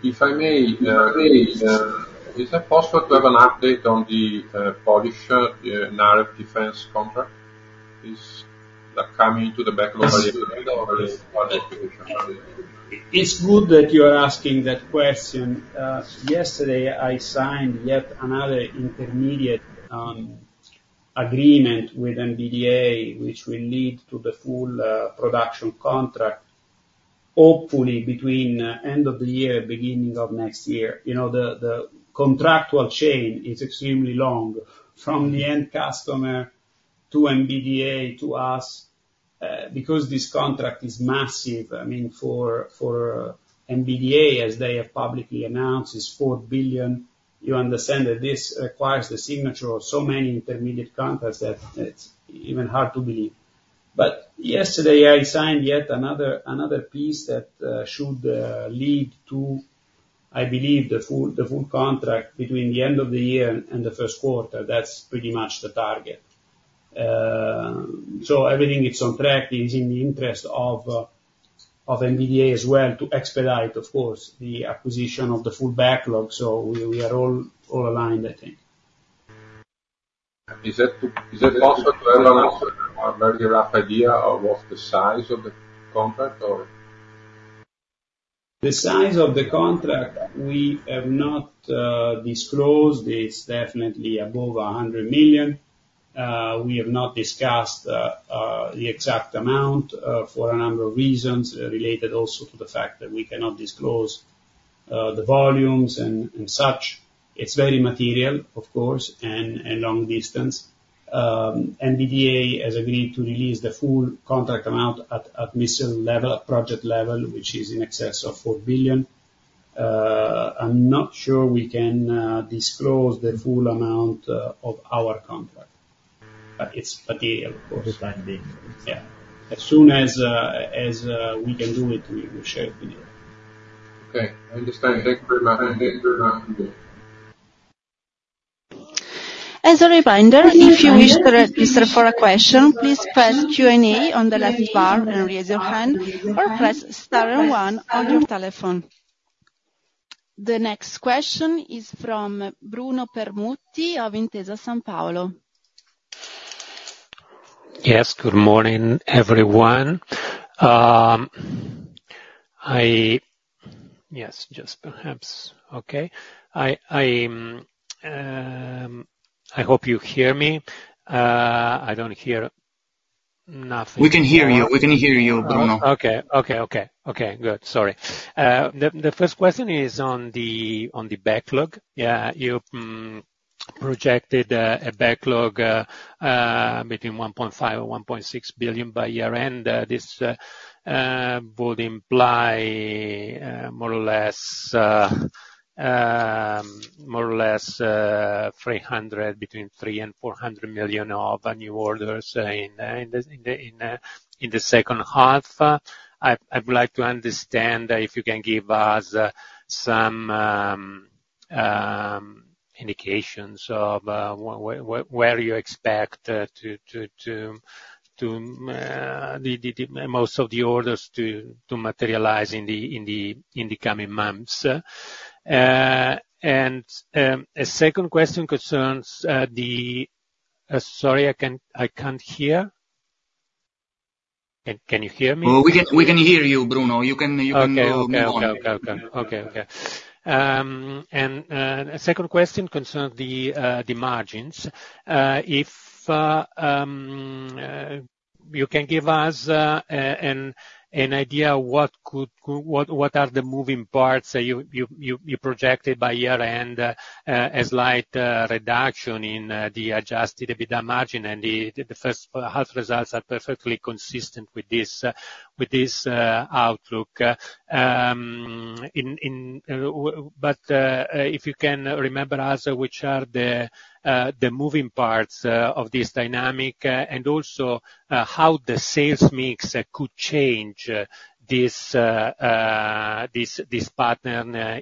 If I may, Please. Is it possible to have an update on the Polish Narew defense contract? Is that coming to the backlog- It's good that you're asking that question. Yesterday, I signed yet another intermediate agreement with MBDA, which will lead to the full production contract, hopefully between end of the year, beginning of next year. You know, the contractual chain is extremely long, from the end customer to MBDA to us, because this contract is massive. I mean, for MBDA, as they have publicly announced, it's 4 billion. You understand that this requires the signature of so many intermediate contracts that it's even hard to believe. But yesterday, I signed yet another piece that should lead to, I believe, the full contract between the end of the year and the first quarter. That's pretty much the target. So everything is on track. It's in the interest of MBDA as well to expedite, of course, the acquisition of the full backlog. So we are all aligned, I think. Is it possible to have an answer, a very rough idea of what the size of the contract or? The size of the contract, we have not disclosed. It's definitely above 100 million. We have not discussed the exact amount for a number of reasons related also to the fact that we cannot disclose the volumes and such. It's very material, of course, and long distance. MBDA has agreed to release the full contract amount at missile level, project level, which is in excess of 4 billion. I'm not sure we can disclose the full amount of our contract, but it's material, of course. It's quite big. Yeah. As soon as we can do it, we'll share it with you. Okay, I understand. Thank you very much. Thank you very much. As a reminder, if you wish to register for a question, please press Q&A on the left bar and raise your hand, or press star one on your telephone. The next question is from Bruno Permutti of Intesa Sanpaolo. Yes, good morning, everyone. I hope you hear me. I don't hear nothing. We can hear you. We can hear you, Bruno. Okay, good. Sorry. The first question is on the backlog. You projected a backlog between 1.5 or 1.6 billion by year-end. This would imply more or less between 300-400 million of new orders in the second half. I would like to understand if you can give us some indications of where you expect the most of the orders to materialize in the coming months. And a second question concerns the... Sorry, I can't hear. Can you hear me? Oh, we can hear you, Bruno. You can go on. Okay, and a second question concerns the margins. If you can give us an idea what are the moving parts that you projected by year-end, a slight reduction in the adjusted EBITDA margin, and the first half results are perfectly consistent with this outlook, but if you can remember also, which are the moving parts of this dynamic, and also how the sales mix could change this pattern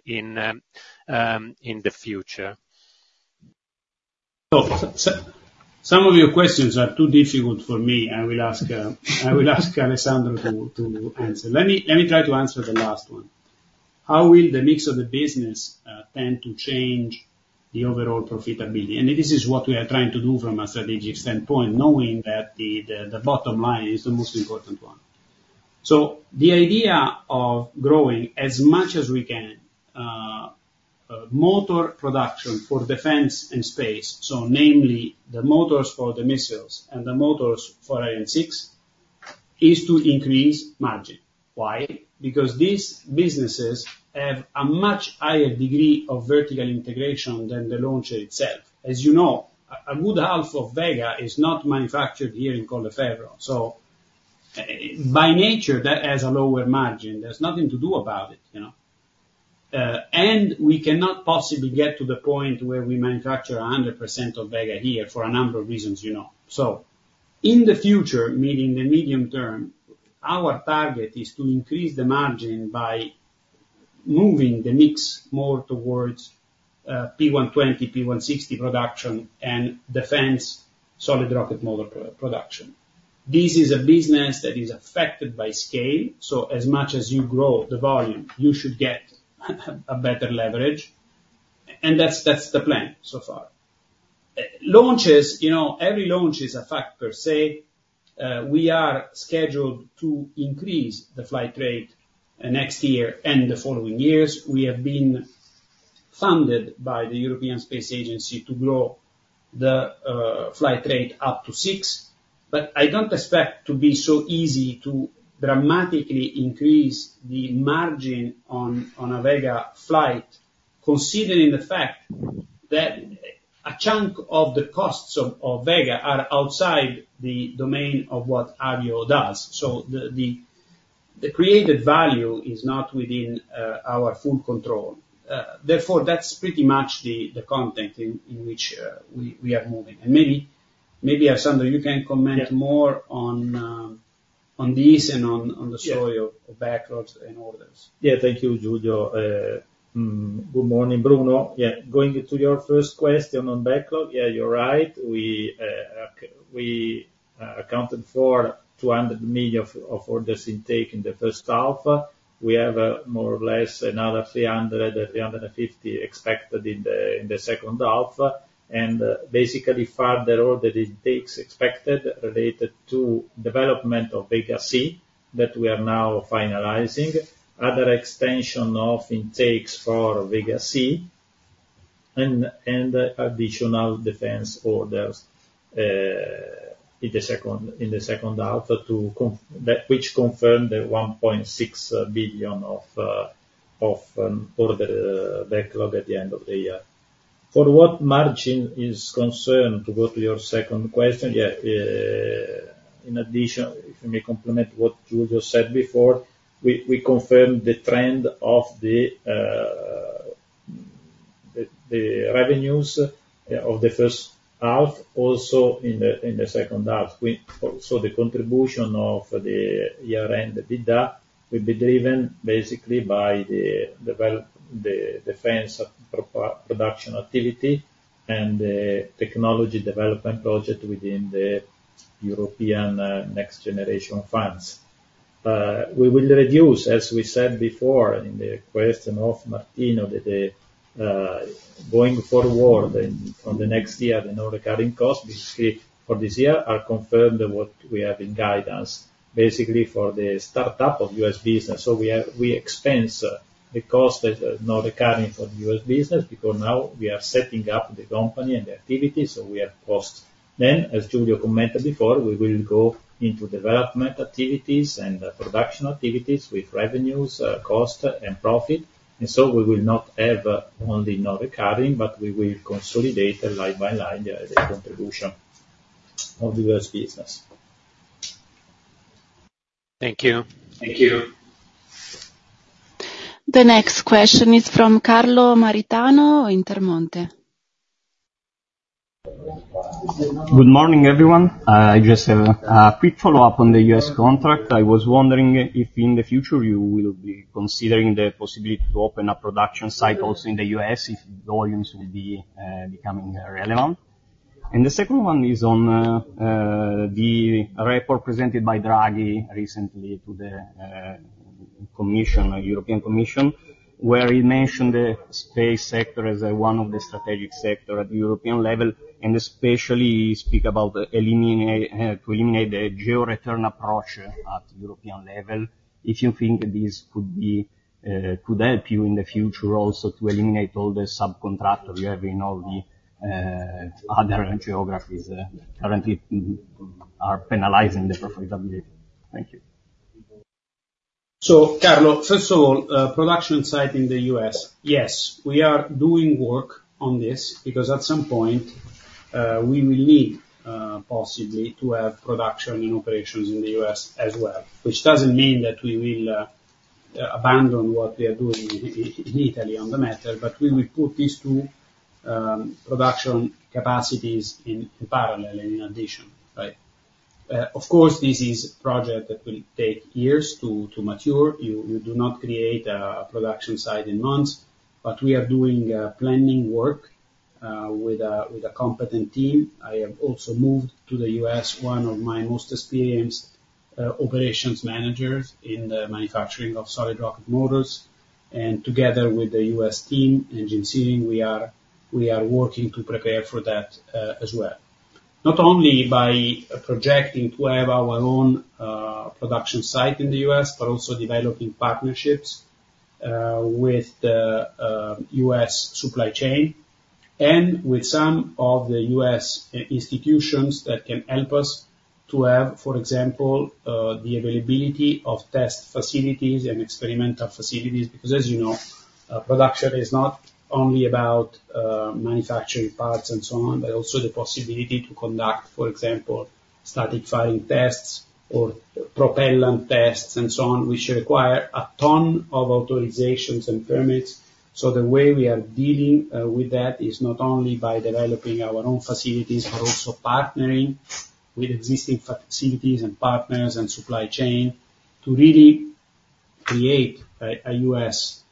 in the future? So some of your questions are too difficult for me. I will ask Alessandro to answer. Let me try to answer the last one. How will the mix of the business tend to change the overall profitability, and this is what we are trying to do from a strategic standpoint, knowing that the bottom line is the most important one. The idea of growing as much as we can motor production for defense and space, so namely the motors for the missiles and the motors for Ariane 6, is to increase margin. Why? Because these businesses have a much higher degree of vertical integration than the launcher itself. As you know, a good half of Vega is not manufactured here in Colleferro. So, by nature, that has a lower margin. There's nothing to do about it, you know? And we cannot possibly get to the point where we manufacture 100% of Vega here for a number of reasons, you know. So in the future, meaning the medium term, our target is to increase the margin by moving the mix more towards P-120, P-160 production and defense solid rocket motor production. This is a business that is affected by scale, so as much as you grow the volume, you should get a better leverage, and that's the plan so far. Launches, you know, every launch is a factor per se. We are scheduled to increase the flight rate next year and the following years. We have been funded by the European Space Agency to grow the flight rate up to six. But I don't expect to be so easy to dramatically increase the margin on a Vega flight, considering the fact that a chunk of the costs of Vega are outside the domain of what Avio does. So the created value is not within our full control. Therefore, that's pretty much the context in which we are moving. And maybe Alessandro, you can comment- Yeah. -more on this and on the story- Yeah. of backlogs and orders. Yeah, thank you, Giulio. Good morning, Bruno. Yeah, going into your first question on backlog, yeah, you're right. We accounted for 200 million of orders intake in the first half. We have, more or less, another 300 million to 350 million expected in the second half. And basically, further order intakes expected related to development of Vega C, that we are now finalizing. Other extension of intakes for Vega C, and additional defense orders, in the second half, which confirm the 1.6 billion of order backlog at the end of the year. For what margin is concerned, to go to your second question, yeah, in addition, let me complement what Giulio said before, we confirm the trend of the revenues of the first half, also in the second half. So the contribution of the year-end EBITDA will be driven basically by the development, the defense production activity, and the technology development project within the European Next Generation funds. We will reduce, as we said before, in the question of Martino, that going forward and from the next year, the non-recurring costs, basically for this year, are confirmed what we have in guidance, basically for the startup of US business. So we expense the cost as a non-recurring for the US business, because now we are setting up the company and the activities, so we have cost. Then, as Giulio commented before, we will go into development activities and production activities with revenues, cost, and profit. And so we will not have only non-recurring, but we will consolidate line by line, the contribution of US business. Thank you. Thank you. The next question is from Carlo Maritano, Intermonte. Good morning, everyone. I just have a quick follow-up on the US contract. I was wondering if, in the future, you will be considering the possibility to open a production site also in the US, if volumes will be becoming relevant? And the second one is on the report presented by Draghi recently to the European Commission, where he mentioned the space sector as one of the strategic sector at the European level, and especially speak about eliminate, to eliminate the geo-return approach at European level. If you think this could be, could help you in the future also, to eliminate all the subcontractor you have in all the other geographies, currently are penalizing the profitability. Thank you. Carlo, first of all, production site in the U.S., yes, we are doing work on this, because at some point, we will need, possibly to have production and operations in the U.S. as well. Which doesn't mean that we will abandon what we are doing in Italy on the matter, but we will put these two production capacities in parallel and in addition, right? Of course, this is a project that will take years to mature. You do not create a production site in months. But we are doing planning work with a competent team. I have also moved to the U.S., one of my most experienced operations managers in the manufacturing of solid rocket motors, and together with the U.S. team, Jim Syring, we are working to prepare for that, as well. Not only by projecting to have our own production site in the U.S., but also developing partnerships with the U.S. supply chain, and with some of the U.S. institutions that can help us to have, for example, the availability of test facilities and experimental facilities. Because as you know, production is not only about manufacturing parts, and so on, but also the possibility to conduct, for example, static firing tests or propellant tests, and so on, which require a ton of authorizations and permits. So the way we are dealing with that is not only by developing our own facilities, but also partnering with existing facilities, and partners, and supply chain, to really create a U.S.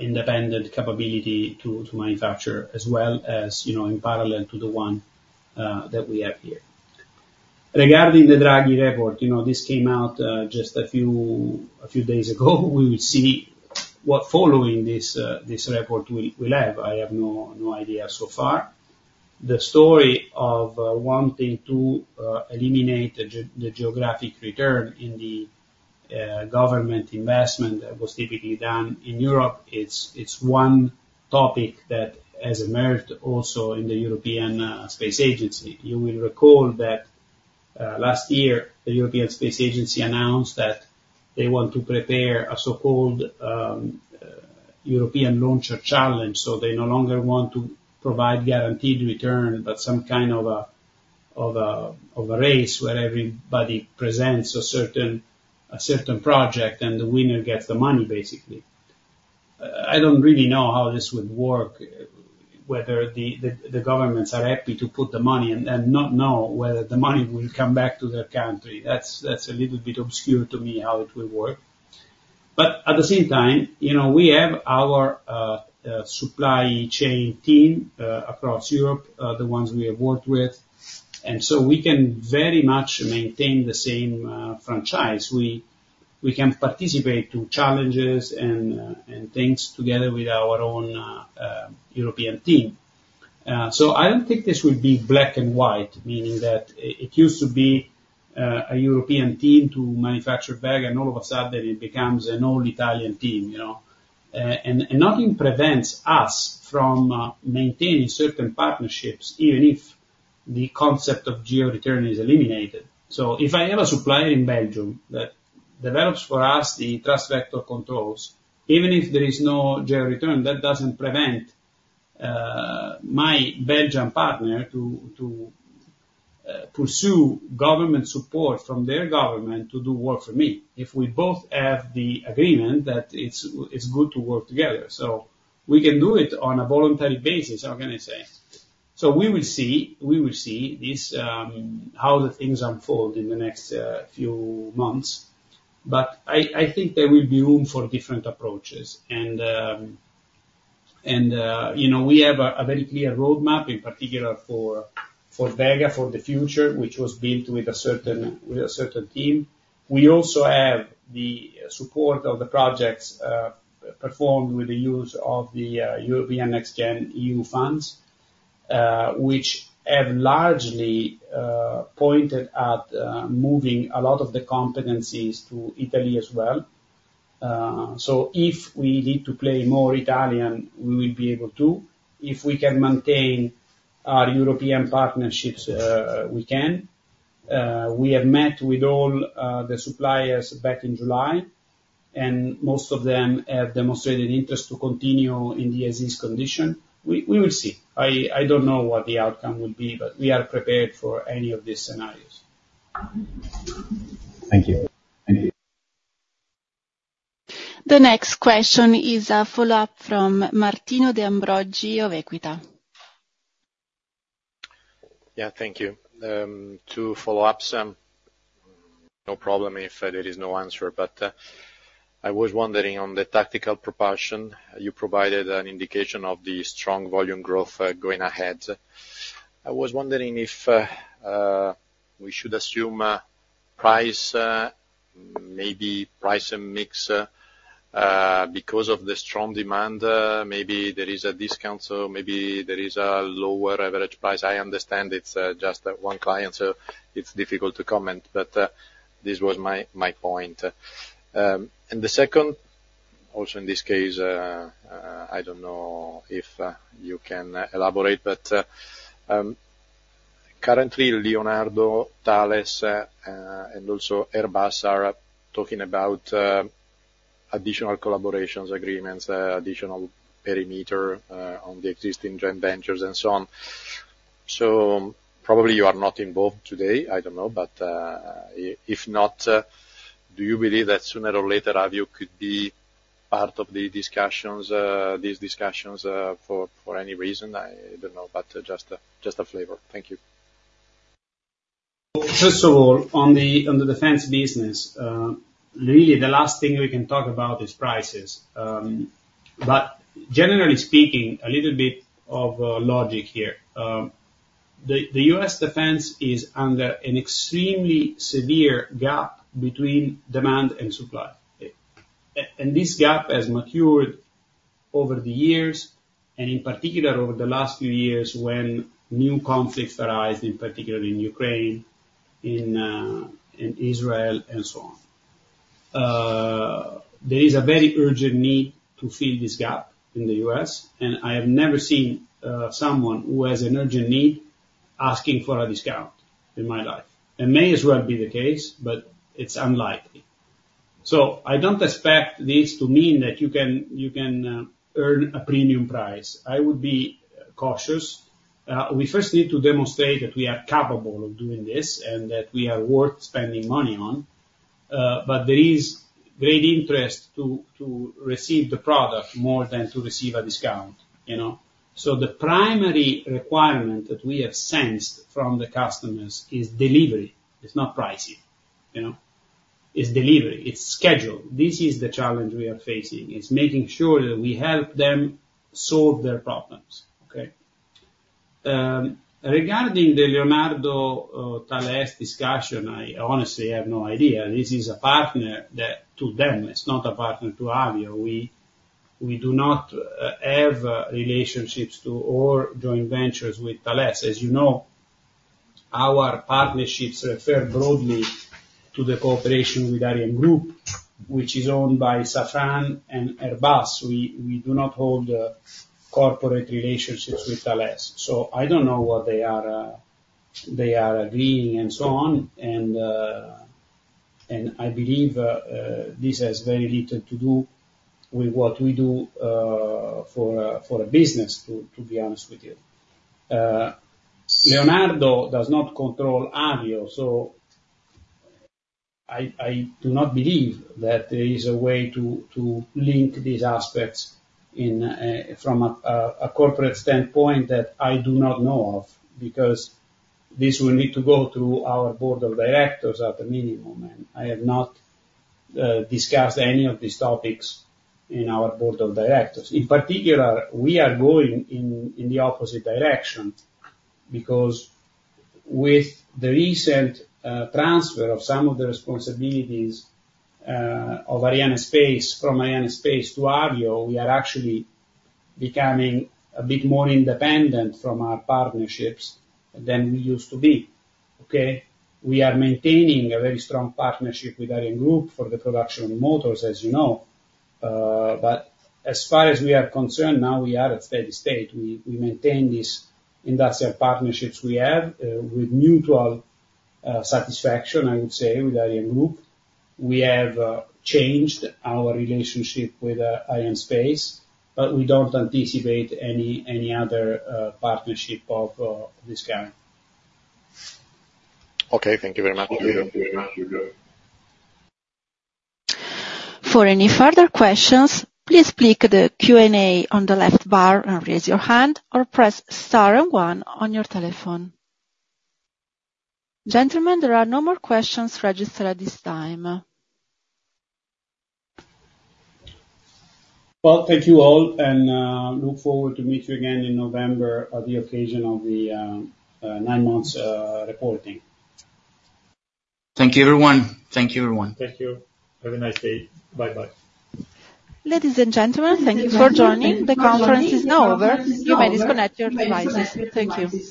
independent capability to manufacture, as well as, you know, in parallel to the one that we have here. Regarding the Draghi report, you know, this came out just a few days ago. We will see what following this this report will have. I have no idea so far. The story of wanting to eliminate the geographic return in the government investment that was typically done in Europe, it's one topic that has emerged also in the European Space Agency. You will recall that last year, the European Space Agency announced that they want to prepare a so-called European Launcher Challenge, so they no longer want to provide guaranteed return, but some kind of a race, where everybody presents a certain project, and the winner gets the money, basically. I don't really know how this would work, whether the governments are happy to put the money and not know whether the money will come back to their country. That's a little bit obscure to me, how it will work, but at the same time, you know, we have our supply chain team across Europe, the ones we have worked with, and so we can very much maintain the same franchise. We can participate to challenges and things together with our own European team. So I don't think this will be black and white, meaning that it used to be a European team to manufacture Vega, and all of a sudden it becomes an all-Italian team, you know? And nothing prevents us from maintaining certain partnerships, even if the concept of geo-return is eliminated. So if I have a supplier in Belgium that develops for us the thrust vector controls, even if there is no geo-return, that doesn't prevent my Belgian partner to pursue government support from their government to do work for me, if we both have the agreement that it's good to work together. So we can do it on a voluntary basis, I'm gonna say. So we will see. We will see this, how the things unfold in the next few months. But I think there will be room for different approaches. And, you know, we have a very clear roadmap, in particular for Vega, for the future, which was built with a certain team. We also have the support of the projects performed with the use of the European NextGen EU funds, which have largely pointed at moving a lot of the competencies to Italy as well. So if we need to play more Italian, we will be able to. If we can maintain our European partnerships, we can. We have met with all the suppliers back in July, and most of them have demonstrated interest to continue in the as-is condition. We will see. I don't know what the outcome will be, but we are prepared for any of these scenarios. Thank you. Thank you. The next question is a follow-up from Martino De Ambrogi of Equita. Yeah, thank you. Two follow-ups. No problem if there is no answer, but I was wondering on the tactical propulsion, you provided an indication of the strong volume growth going ahead. I was wondering if we should assume price, maybe price and mix, because of the strong demand, maybe there is a discount, so maybe there is a lower average price. I understand it's just one client, so it's difficult to comment, but this was my point. And the second, also in this case, I don't know if you can elaborate, but currently, Leonardo, Thales, and also Airbus are talking about additional collaborations, agreements, additional perimeter on the existing joint ventures, and so on. So probably you are not involved today, I don't know. But, if not, do you believe that sooner or later, Avio could be part of the discussions, these discussions, for any reason? I don't know, but just a flavor. Thank you. First of all, on the defense business, really, the last thing we can talk about is prices, but generally speaking, a little bit of logic here. The U.S. defense is under an extremely severe gap between demand and supply, and this gap has matured over the years, and in particular, over the last few years, when new conflicts arise, in particular in Ukraine, in Israel, and so on. There is a very urgent need to fill this gap in the U.S., and I have never seen someone who has an urgent need asking for a discount in my life. It may as well be the case, but it's unlikely, so I don't expect this to mean that you can earn a premium price. I would be cautious. We first need to demonstrate that we are capable of doing this, and that we are worth spending money on, but there is great interest to receive the product more than to receive a discount, you know? So the primary requirement that we have sensed from the customers is delivery. It's not pricing, you know? It's delivery, it's schedule. This is the challenge we are facing, is making sure that we help them solve their problems, okay? Regarding the Leonardo, Thales discussion, I honestly have no idea. This is a partner that, to them, it's not a partner to Avio. We do not have relationships to, or joint ventures with Thales. As you know, our partnerships refer broadly to the cooperation with ArianeGroup, which is owned by Safran and Airbus. We do not hold corporate relationships with Thales. I don't know what they are, they are agreeing and so on, and I believe this has very little to do with what we do for a business, to be honest with you. Leonardo does not control Avio, so I do not believe that there is a way to link these aspects in from a corporate standpoint that I do not know of, because this will need to go through our board of directors at a minimum, and I have not discussed any of these topics in our board of directors. In particular, we are going in the opposite direction, because with the recent transfer of some of the responsibilities of Arianespace, from Arianespace to Avio, we are actually becoming a bit more independent from our partnerships than we used to be, okay? We are maintaining a very strong partnership with Ariane Group for the production of motors, as you know, but as far as we are concerned, now we are at steady state. We maintain these industrial partnerships we have with mutual satisfaction, I would say, with Ariane Group. We have changed our relationship with Arianespace, but we don't anticipate any other partnership of this kind. Okay, thank you very much. For any further questions, please click the Q&A on the left bar, and raise your hand or press star and one on your telephone. Gentlemen, there are no more questions registered at this time. Thank you all, and look forward to meet you again in November, on the occasion of the nine months reporting. Thank you, everyone. Thank you. Have a nice day. Bye-bye. Ladies and gentlemen, thank you for joining. The conference is now over. You may disconnect your devices. Thank you.